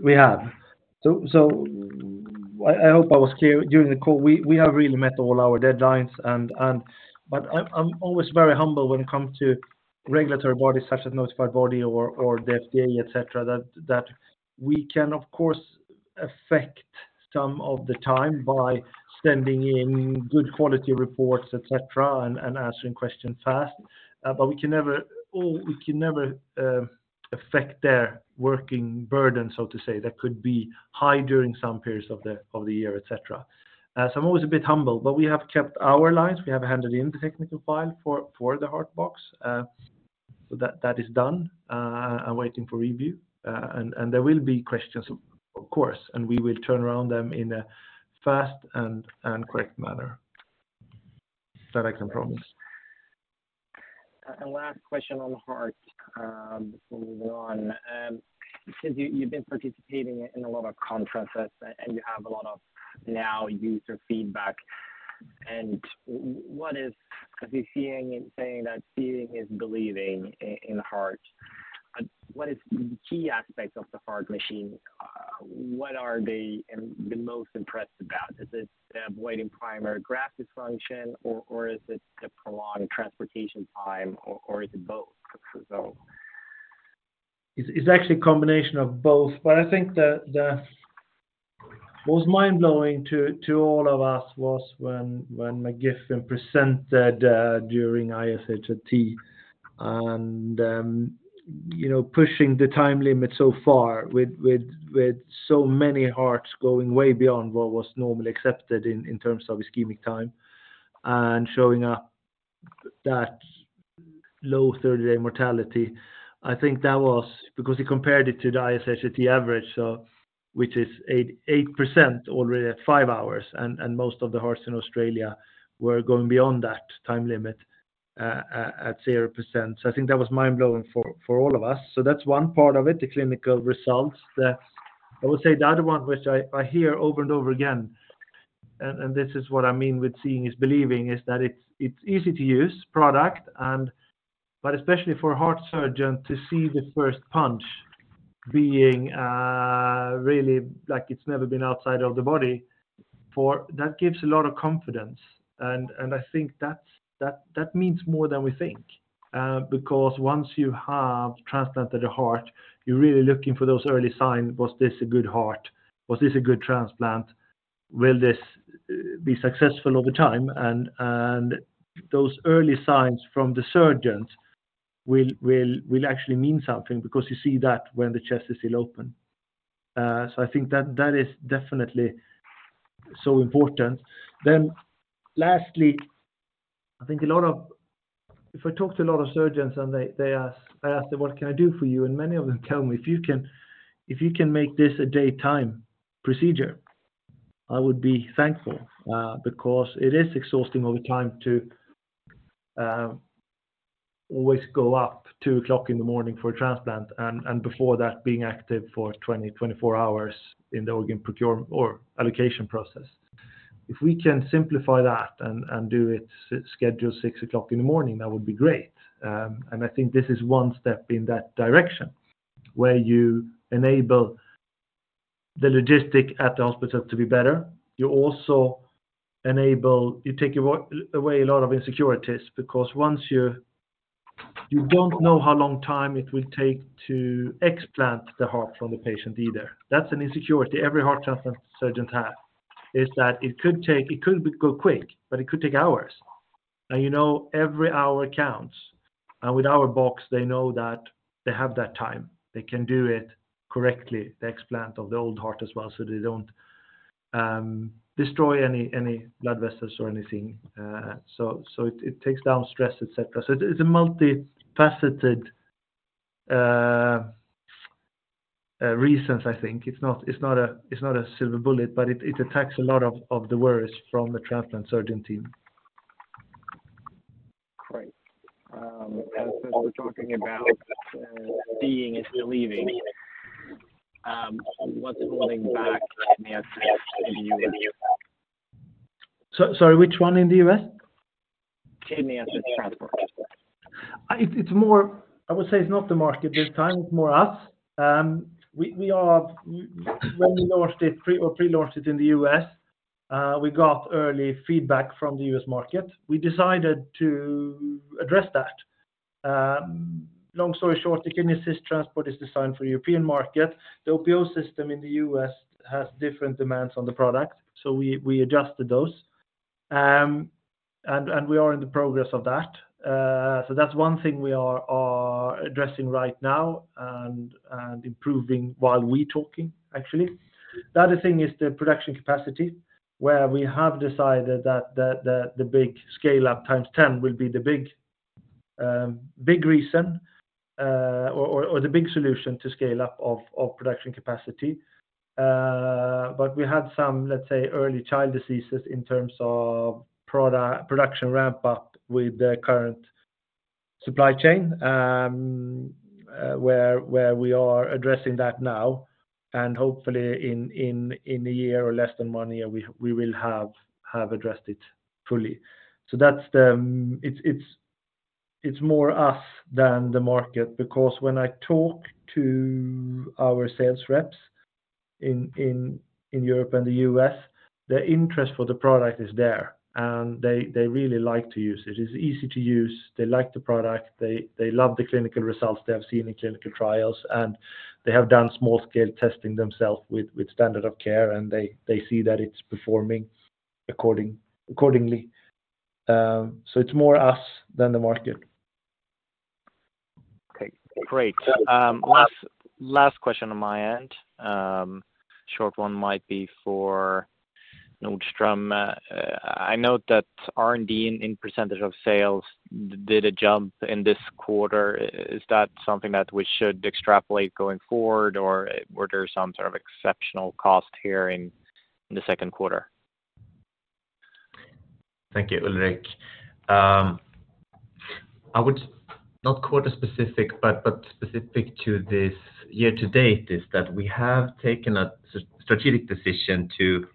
we have. I hope I was clear during the call. We have really met all our deadlines, but I'm always very humble when it comes to regulatory bodies, such as notified body or the FDA, et cetera, that we can, of course, affect some of the time by sending in good quality reports, et cetera, and answering questions fast. We can never affect their working burden, so to say, that could be high during some periods of the year, et cetera. I'm always a bit humble, but we have kept our lines. We have handed in the technical file for the heart box. That is done and waiting for review. There will be questions, of course, and we will turn around them in a fast and correct manner. That I can promise. Last question on heart, before moving on. Since you've been participating in a lot of conferences, and you have a lot of now user feedback. Because you're seeing and saying that seeing is believing in heart, what is the key aspects of the heart machine? What are they the most impressed about? Is it the avoiding primary graft dysfunction, or is it the prolonged transportation time, or is it both? It's actually a combination of both, but I think the most mind-blowing to all of us was when McGiffin presented during ISHLT. you know, pushing the time limit so far with so many hearts going way beyond what was normally accepted in terms of ischemic time, and showing up that low 30-day mortality, I think that was because he compared it to the ISHLT average, which is 8% already at five hours, and most of the hearts in Australia were going beyond that time limit at 0%. I think that was mind-blowing for all of us. That's one part of it, the clinical results. The, I would say the other one, which I hear over and over again, and this is what I mean with seeing is believing, is that it's easy to use product, but especially for a heart surgeon to see the first punch being really like it's never been outside of the body, for that gives a lot of confidence. I think that means more than we think, because once you have transplanted a heart, you're really looking for those early signs. Was this a good heart? Was this a good transplant? Will this be successful over time? Those early signs from the surgeons will actually mean something because you see that when the chest is still open. I think that is definitely so important. Lastly, I think a lot of... If I talk to a lot of surgeons and they ask, I ask them: What can I do for you? Many of them tell me, "If you can make this a daytime procedure, I would be thankful, because it is exhausting over time to always go up 2:00 A.M. in the morning for a transplant, and before that, being active for 24 hours in the organ procurement or allocation process. If we can simplify that and do it schedule 6:00 A.M. in the morning, that would be great." I think this is one step in that direction, where you enable the logistics at the hospital to be better. You also enable, you take away a lot of insecurities because once you don't know how long time it will take to explant the heart from the patient either. That's an insecurity every heart transplant surgeon have, is that it could take, it could go quick, but it could take hours. You know, every hour counts. With our box, they know that they have that time. They can do it correctly, the explant of the old heart as well, so they don't destroy any blood vessels or anything. So it takes down stress, et cetera. It's a multifaceted reasons I think. It's not a silver bullet, but it attacks a lot of the worries from the transplant surgeon team. Great. Since we're talking about, seeing is believing, what's holding back Kidney Assist in the U.S.? sorry, which one in the U.S.? Kidney Assist Transport. It's not the market this time, it's more us. We are, when we launched it pre or pre-launched it in the U.S., we got early feedback from the U.S. market. We decided to address that. Long story short, the Kidney Assist Transport is designed for European market. The OPO system in the U.S. has different demands on the product, so we adjusted those. We are in the progress of that. So that's one thing we are addressing right now and improving while we talking, actually. The other thing is the production capacity, where we have decided that the big scale up times 10 will be the big reason or the big solution to scale up of production capacity. We had some, let's say, early child diseases in terms of production ramp-up with the current supply chain, where we are addressing that now, and hopefully in a year or less than one year, we will have addressed it fully. That's the. It's more us than the market, because when I talk to our sales reps in Europe and the U.S., their interest for the product is there, and they really like to use it. It's easy to use, they like the product, they love the clinical results they have seen in clinical trials, and they have done small scale testing themselves with standard of care, and they see that it's performing accordingly. It's more us than the market. Okay, great. Last question on my end. Short one might be for Nordström. I note that R&D in percentage of sales did a jump in this quarter. Is that something that we should extrapolate going forward, or were there some sort of exceptional cost here in the second quarter? Thank you, Ulrik. I would not quote a specific, but specific to this year to date is that we have taken a strategic decision to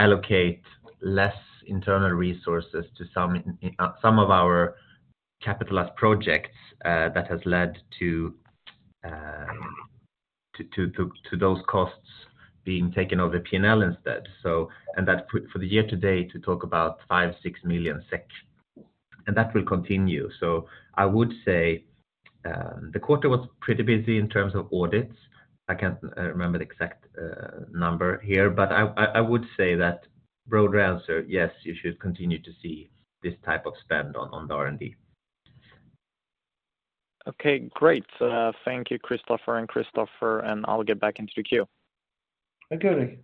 allocate less internal resources to some of our capitalized projects that has led to those costs being taken over P&L instead. That put for the year to date, to talk about 5, 6 million SEK, that will continue. I would say the quarter was pretty busy in terms of audits. I can't remember the exact number here, but I would say that broader answer, yes, you should continue to see this type of spend on the R&D. Okay, great. Thank you, Kristoffer and Kristoffer, and I'll get back into the queue. Thank you, Ulrik.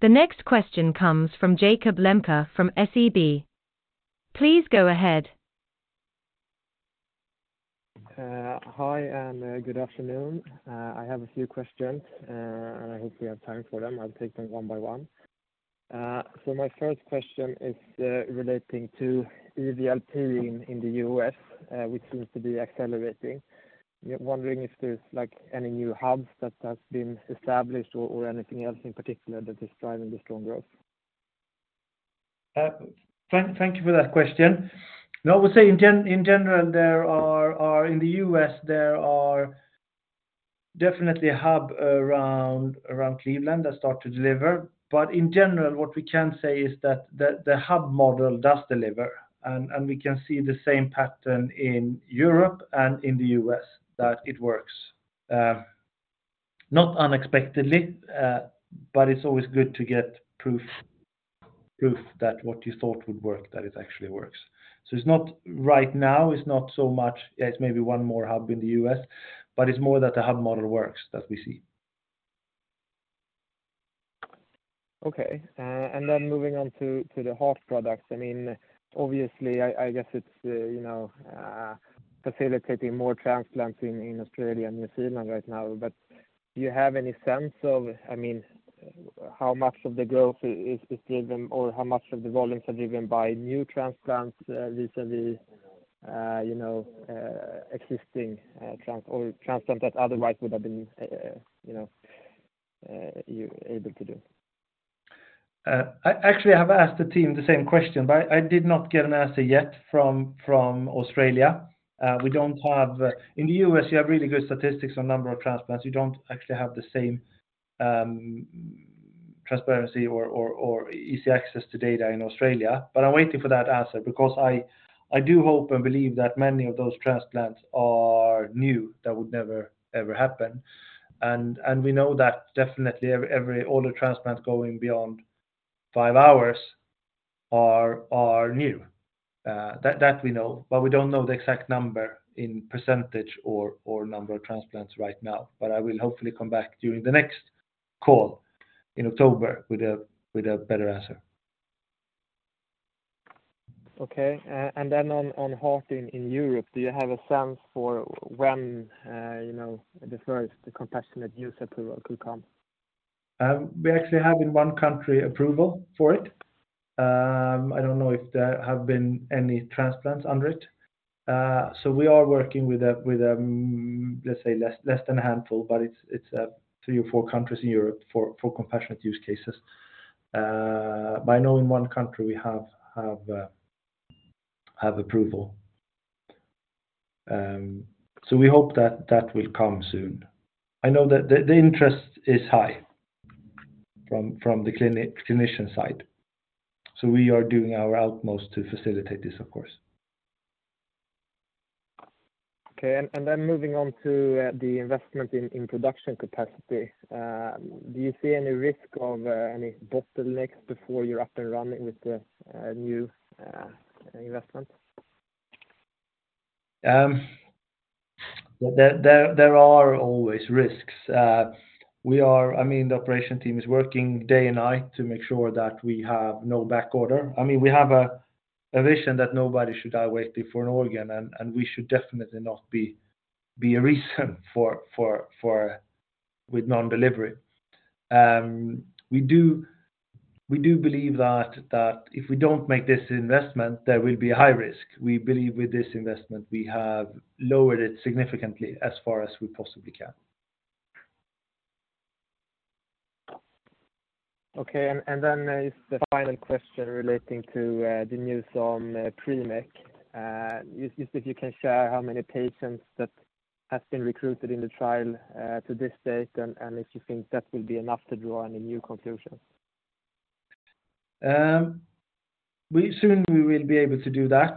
The next question comes from Jakob Lembke from SEB. Please go ahead. Hi, good afternoon. I have a few questions, and I hope you have time for them. I'll take them one by one. My first question is, relating to EVLP in the U.S., which seems to be accelerating. I'm wondering if there's, like, any new hubs that has been established or anything else in particular that is driving the strong growth? Thank you for that question. I would say in general, there are in the U.S., there are definitely a hub around Cleveland that start to deliver. In general, what we can say is that the hub model does deliver, and we can see the same pattern in Europe and in the U.S., that it works. Not unexpectedly, it's always good to get proof that what you thought would work, that it actually works. It's not right now, it's not so much... Yeah, it's maybe one more hub in the U.S., but it's more that the hub model works that we see. Moving on to the heart products. I mean, obviously, I guess it's, you know, facilitating more transplants in Australia and New Zealand right now. Do you have any sense of, I mean, how much of the growth is driven, or how much of the volumes are driven by new transplants, vis-à-vis, you know, existing transplant that otherwise would have been, you know, you're able to do? I actually have asked the team the same question, but I did not get an answer yet from Australia. In the U.S., you have really good statistics on number of transplants. You don't actually have the same transparency or easy access to data in Australia. I'm waiting for that answer because I do hope and believe that many of those transplants are new, that would never happen. We know that definitely all the transplants going beyond five hours are new. That we know, but we don't know the exact number in percentage or number of transplants right now. I will hopefully come back during the next call in October with a better answer. Okay, on heart in Europe, do you have a sense for when, you know, the first compassionate use approval could come? We actually have in one country approval for it. I don't know if there have been any transplants under it. We are working with a, with less than a handful, but it's three or four countries in Europe for compassionate use cases. I know in one country we have approval. We hope that that will come soon. I know that the interest is high from the clinician side, so we are doing our utmost to facilitate this, of course. Okay. Moving on to the investment in production capacity. Do you see any risk of any bottlenecks before you're up and running with the new investment? There are always risks. I mean, the operation team is working day and night to make sure that we have no back order. I mean, we have a vision that nobody should die waiting for an organ. We should definitely not be a reason for with non-delivery. We do believe that if we don't make this investment, there will be a high risk. We believe with this investment, we have lowered it significantly as far as we possibly can. Okay. Is the final question relating to the news on PrimECC. If you can share how many patients that have been recruited in the trial to this date, and if you think that will be enough to draw any new conclusions? We soon will be able to do that.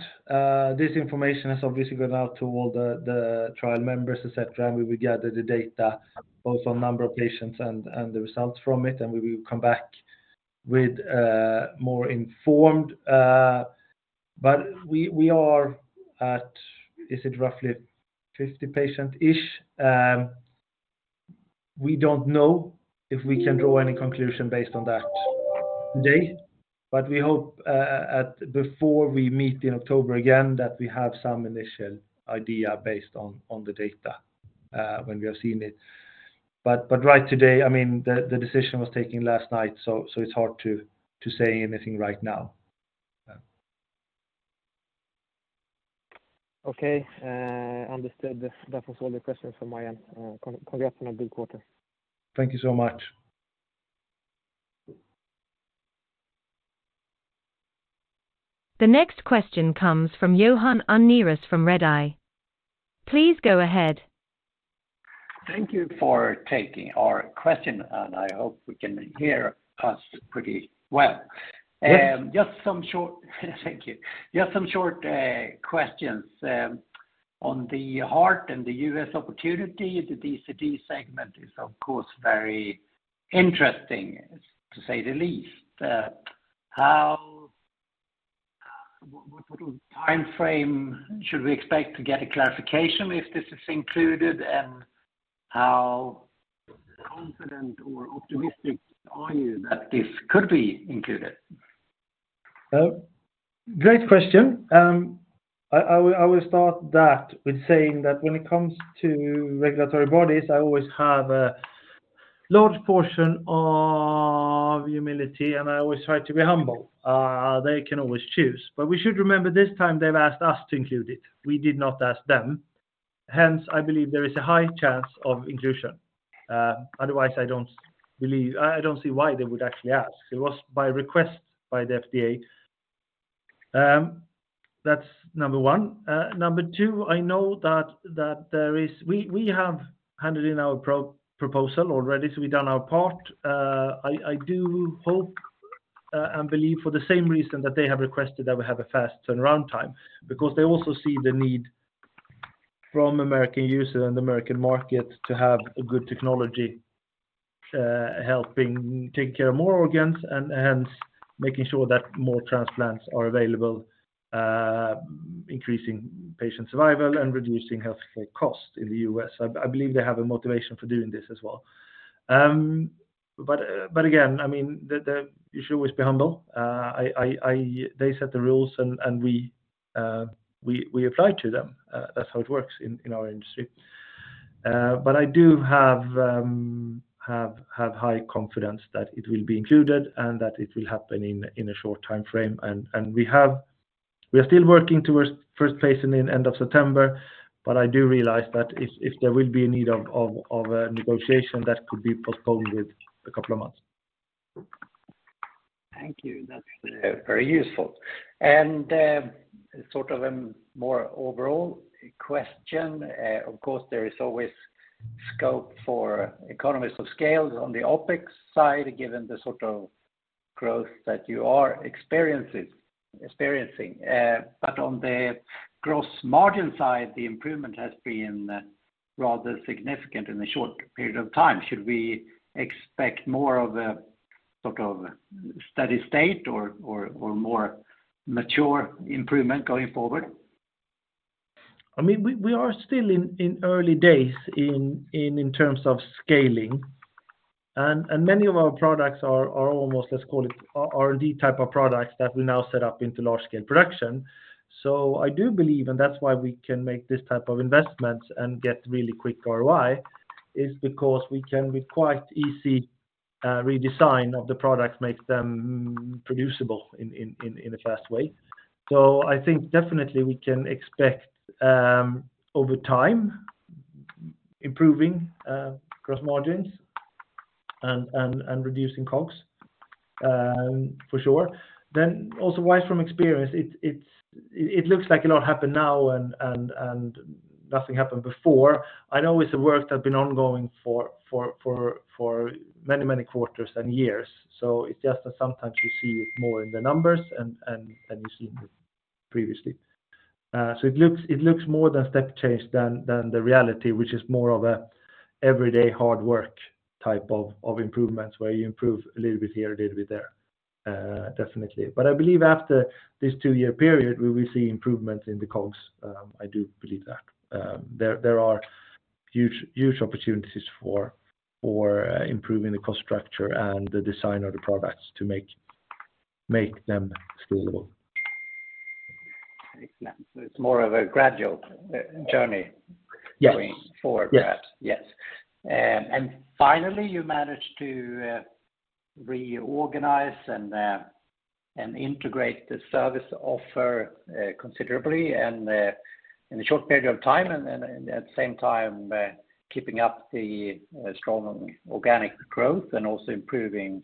This information has obviously gone out to all the trial members, et cetera, and we will gather the data, both on number of patients and the results from it, and we will come back with more informed. We are at, is it roughly 50 patient-ish? We don't know if we can draw any conclusion based on that today, but we hope, at before we meet in October again, that we have some initial idea based on the data, when we have seen it. Right today, I mean, the decision was taken last night, so it's hard to say anything right now. Yeah. Okay, understood. That was all the questions from my end. Congratulations on the good quarter. Thank you so much. The next question comes from Johan Unnerus from Redeye. Please go ahead. Thank you for taking our question, and I hope we can hear us pretty well. Yes. Thank you. Just some short questions. On the heart and the U.S. opportunity, the DCD segment is, of course, very interesting, to say the least. How, what sort of time frame should we expect to get a clarification if this is included, and how confident or optimistic are you that this could be included? Great question. I will start that with saying that when it comes to regulatory bodies, I always have a large portion of humility, and I always try to be humble. They can always choose. We should remember this time they've asked us to include it. We did not ask them. Hence, I believe there is a high chance of inclusion. Otherwise, I don't see why they would actually ask. It was by request by the FDA. That's number one. Number two, I know that we have handed in our proposal already, we've done our part. I do hope and believe for the same reason that they have requested that we have a fast turnaround time, because they also see the need from American users and the American market to have a good technology, helping take care of more organs and making sure that more transplants are available, increasing patient survival and reducing healthcare costs in the U.S. I believe they have a motivation for doing this as well. Again, I mean, the you should always be humble. They set the rules, and we apply to them. That's how it works in our industry. I do have high confidence that it will be included and that it will happen in a short time frame, and we are still working towards first place in the end of September, but I do realize that if there will be a need of a negotiation, that could be postponed with a couple of months. Thank you. That's very useful. Sort of a more overall question, of course, there is always scope for economies of scales on the OpEx side, given the sort of growth that you are experiencing. On the gross margin side, the improvement has been rather significant in a short period of time. Should we expect more of a sort of steady state or more mature improvement going forward? I mean, we are still in early days in terms of scaling, and many of our products are almost, let's call it, R&D type of products that we now set up into large scale production. I do believe, and that's why we can make this type of investment and get really quick ROI, is because we can be quite easy redesign of the products, make them producible in a fast way. I think definitely we can expect over time, improving gross margins and reducing costs, for sure. Also wise from experience, it looks like a lot happened now and nothing happened before. I know it's a work that been ongoing for many quarters and years. It's just that sometimes you see it more in the numbers than you've seen previously. It looks more than step change than the reality, which is more of a everyday hard work type of improvements, where you improve a little bit here, a little bit there. Definitely. I believe after this two-year period, we will see improvements in the costs, I do believe that. There are huge opportunities for improving the cost structure and the design of the products to make them scalable. It's more of a gradual journey. Yes. Going forward. Yes. Yes. Finally, you managed to reorganize and integrate the service offer considerably, and in a short period of time, and at the same time, keeping up the strong organic growth and also improving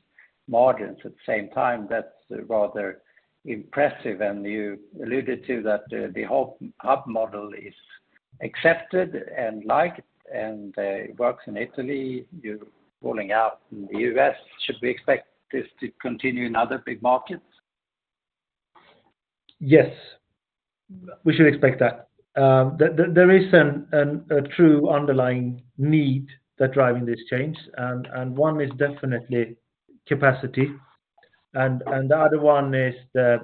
margins at the same time. That's rather impressive, and you alluded to that the whole hub model is accepted and liked, and it works in Italy. You're rolling out in the U.S. Should we expect this to continue in other big markets? Yes. We should expect that. There is a true underlying need that driving this change, one is definitely capacity, and the other one is the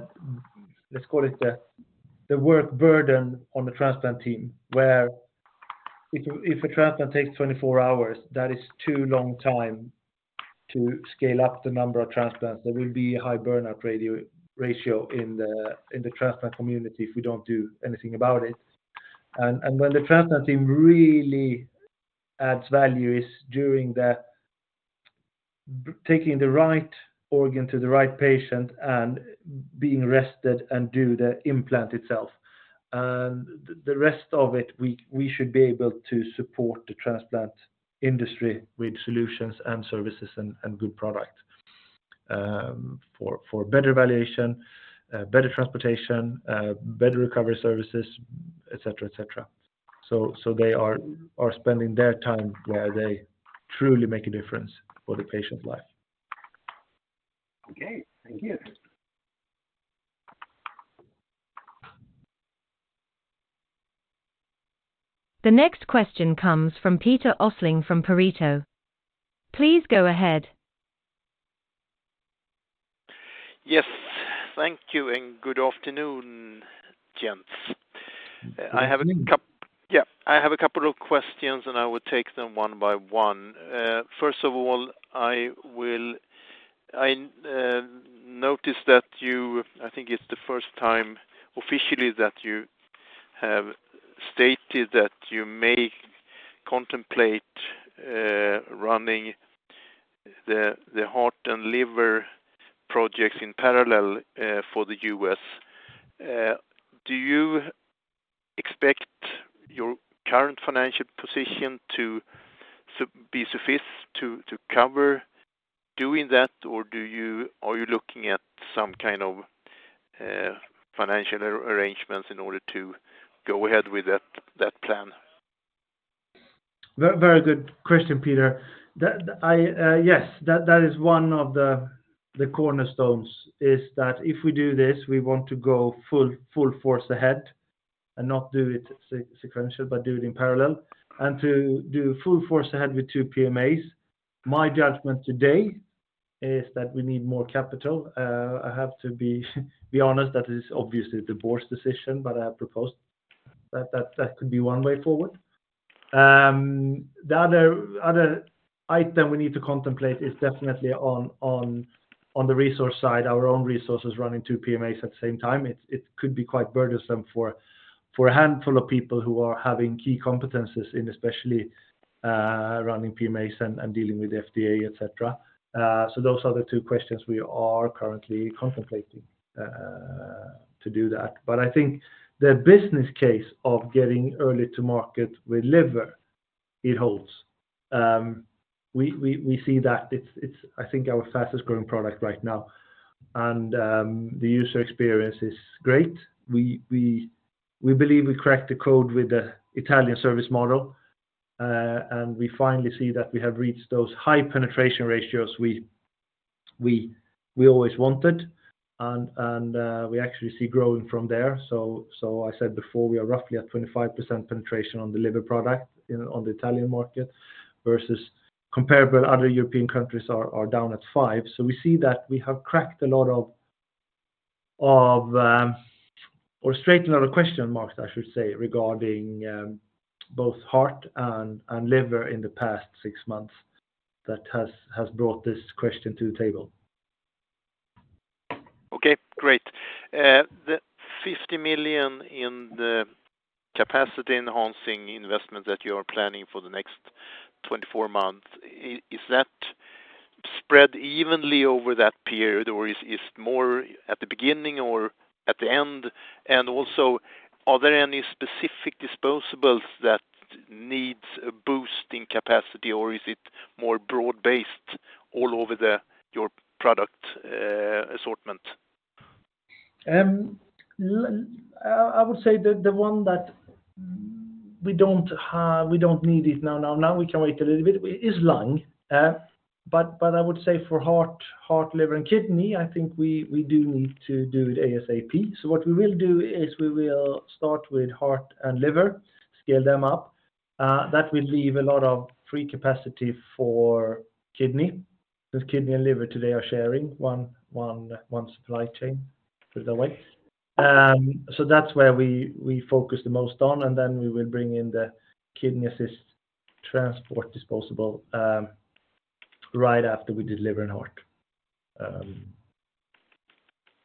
work burden on the transplant team, where if a transplant 24 hours, that is too long time to scale up the number of transplants. There will be a high burnout ratio in the transplant community if we don't do anything about it. When the transplant team really adds value is during the taking the right organ to the right patient and being rested and do the implant itself. The rest of it, we should be able to support the transplant industry with solutions and services and good product, for better evaluation, better transportation, better recovery services, et cetera, et cetera. They are spending their time where they truly make a difference for the patient's life. Okay, thank you. The next question comes from Peter Östling, from Pareto. Please go ahead. Yes, thank you good afternoon, gents. I have yeah, I have a couple of questions. I will take them one by one. First of all, I will, I, notice that you, I think it's the first time officially, that you have stated that you may contemplate running the heart and liver projects in parallel for the U.S.. Do you expect your current financial position to be suffice to cover doing that, or do you, are you looking at some kind of financial arrangements in order to go ahead with that plan? Very good question, Peter. That, I, yes, that is one of the cornerstones, is that if we do this, we want to go full force ahead and not do it sequential, but do it in parallel, and to do full force ahead with 2 PMAs. My judgment today is that we need more capital. I have to be honest, that is obviously the board's decision, but I propose that that could be one way forward. The other item we need to contemplate is definitely on the resource side, our own resources running 2 PMAs at the same time. It could be quite burdensome for a handful of people who are having key competencies in, especially, running PMAs and dealing with the FDA, et cetera. Those are the two questions we are currently contemplating to do that. I think the business case of getting early to market with liver, it holds. We see that it's, I think, our fastest-growing product right now, and the user experience is great. We believe we cracked the code with the Italian service model, and we finally see that we have reached those high penetration ratios we always wanted, and we actually see growing from there. I said before, we are roughly at 25% penetration on the liver product in the Italian market, versus comparable other European countries are down at 5%. We see that we have cracked a lot of, or straightened out a question mark, I should say, regarding, both heart and liver in the past six months, that has brought this question to the table. Okay, great. The 50 million in the capacity enhancing investment that you are planning for the next 24 months, is that spread evenly over that period, or is more at the beginning or at the end? Also, are there any specific disposables that needs a boost in capacity, or is it more broad-based all over the, your product assortment? I would say the one that we don't have, we don't need it now, now we can wait a little bit, is lung. But I would say for heart, liver, and kidney, I think we do need to do it ASAP. What we will do is we will start with heart and liver, scale them up. That will leave a lot of free capacity for kidney, since kidney and liver today are sharing one supply chain through the way. That's where we focus the most on, and then we will bring in the Kidney Assist Transport disposable, right after we did liver and heart.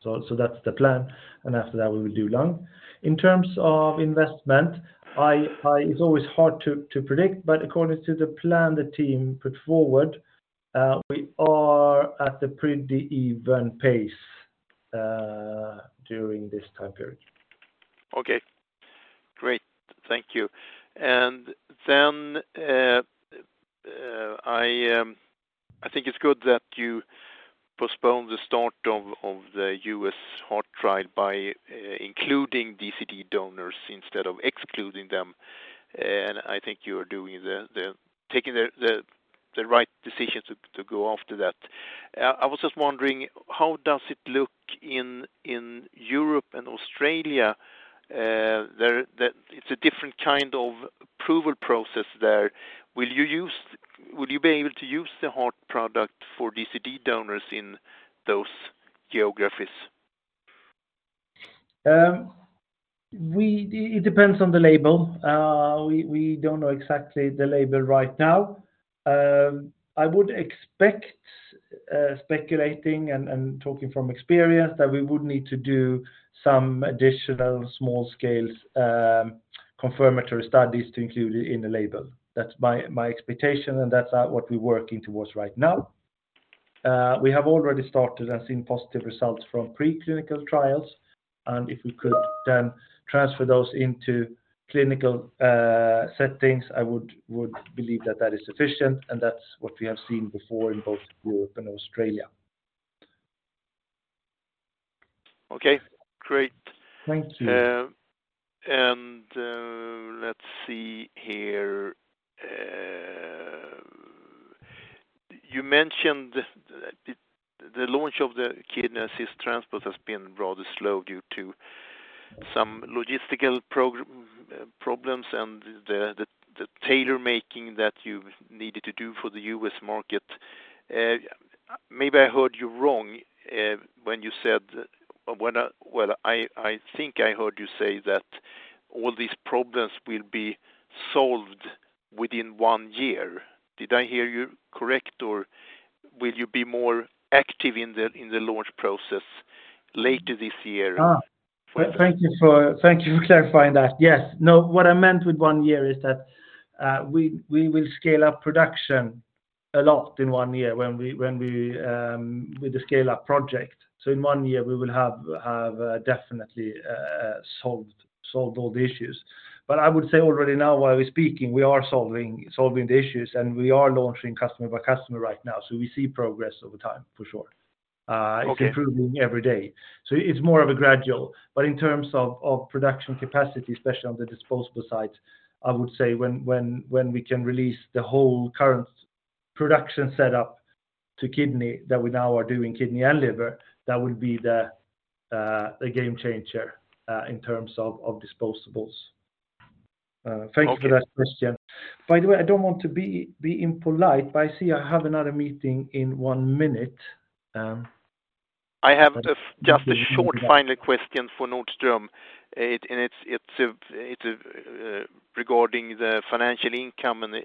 That's the plan, after that, we will do lung. In terms of investment, I, it's always hard to predict, but according to the plan the team put forward, we are at a pretty even pace during this time period. Okay, great. Thank you. I think it's good that you postponed the start of the U.S. heart trial by including DCD donors instead of excluding them. I think you are taking the right decision to go after that. I was just wondering, how does it look in Europe and Australia? There, it's a different kind of approval process there. Would you be able to use the heart product for DCD donors in those geographies? It depends on the label. We don't know exactly the label right now. I would expect, speculating and talking from experience, that we would need to do some additional small scale confirmatory studies to include it in the label. That's my expectation, and that's what we're working towards right now. We have already started and seen positive results from preclinical trials, and if we could then transfer those into clinical settings, I would believe that that is sufficient, and that's what we have seen before in both Europe and Australia. Okay, great. Thank you. Let's see here. You mentioned the launch of the Kidney Assist Transport has been rather slow due to some logistical problems and the tailor-making that you needed to do for the U.S. market. Maybe I heard you wrong when you said, I think I heard you say that all these problems will be solved within one year. Did I hear you correct, or will you be more active in the launch process later this year? Thank you for clarifying that. Yes. What I meant with one year is that we will scale up production a lot in one year when we with the scale up project. In one year we will have definitely solved all the issues. I would say already now, while we're speaking, we are solving the issues, and we are launching customer by customer right now. We see progress over time, for sure. Okay. It's improving every day, so it's more of a gradual. In terms of production capacity, especially on the disposable side, I would say when we can release the whole current production set up to kidney, that we now are doing kidney and liver, that will be the game changer in terms of disposables. Okay. Thank you for that question. By the way, I don't want to be impolite, but I see I have another meeting in 1 minute, I have just a short final question for Kristoffer Nordström, regarding the financial income and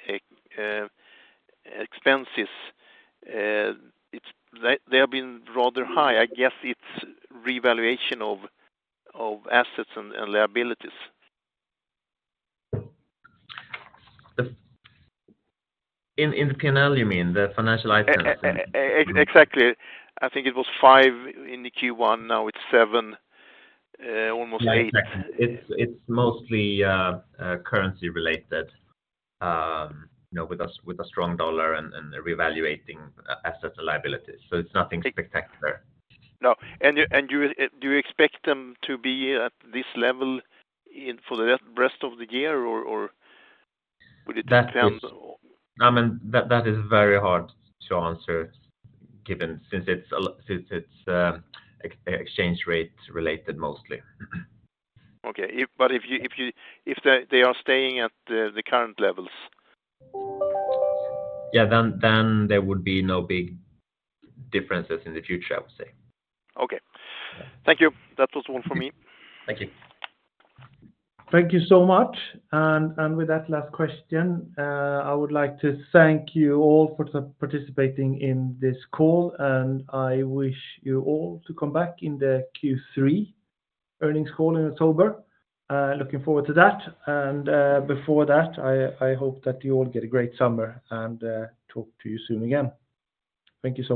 expenses. They have been rather high. I guess it's revaluation of assets and liabilities. In the P&L, you mean, the financial items? Exactly. I think it was five in the Q1, now it's seven, almost eight. Yeah, exactly. It's mostly currency related, you know, with a strong dollar and revaluating assets and liabilities, so it's nothing spectacular. No. You, do you expect them to be at this level in, for the rest of the year, or would it depends, or? I mean, that is very hard to answer, given, since it's exchange rate related, mostly. Okay. If, if you, if they are staying at the current levels? Yeah. There would be no big differences in the future, I would say. Okay. Thank you. That was all for me. Thank you. Thank you so much. With that last question, I would like to thank you all for participating in this call, and I wish you all to come back in the Q3 earnings call in October. Looking forward to that. Before that, I hope that you all get a great summer, talk to you soon again. Thank you so much.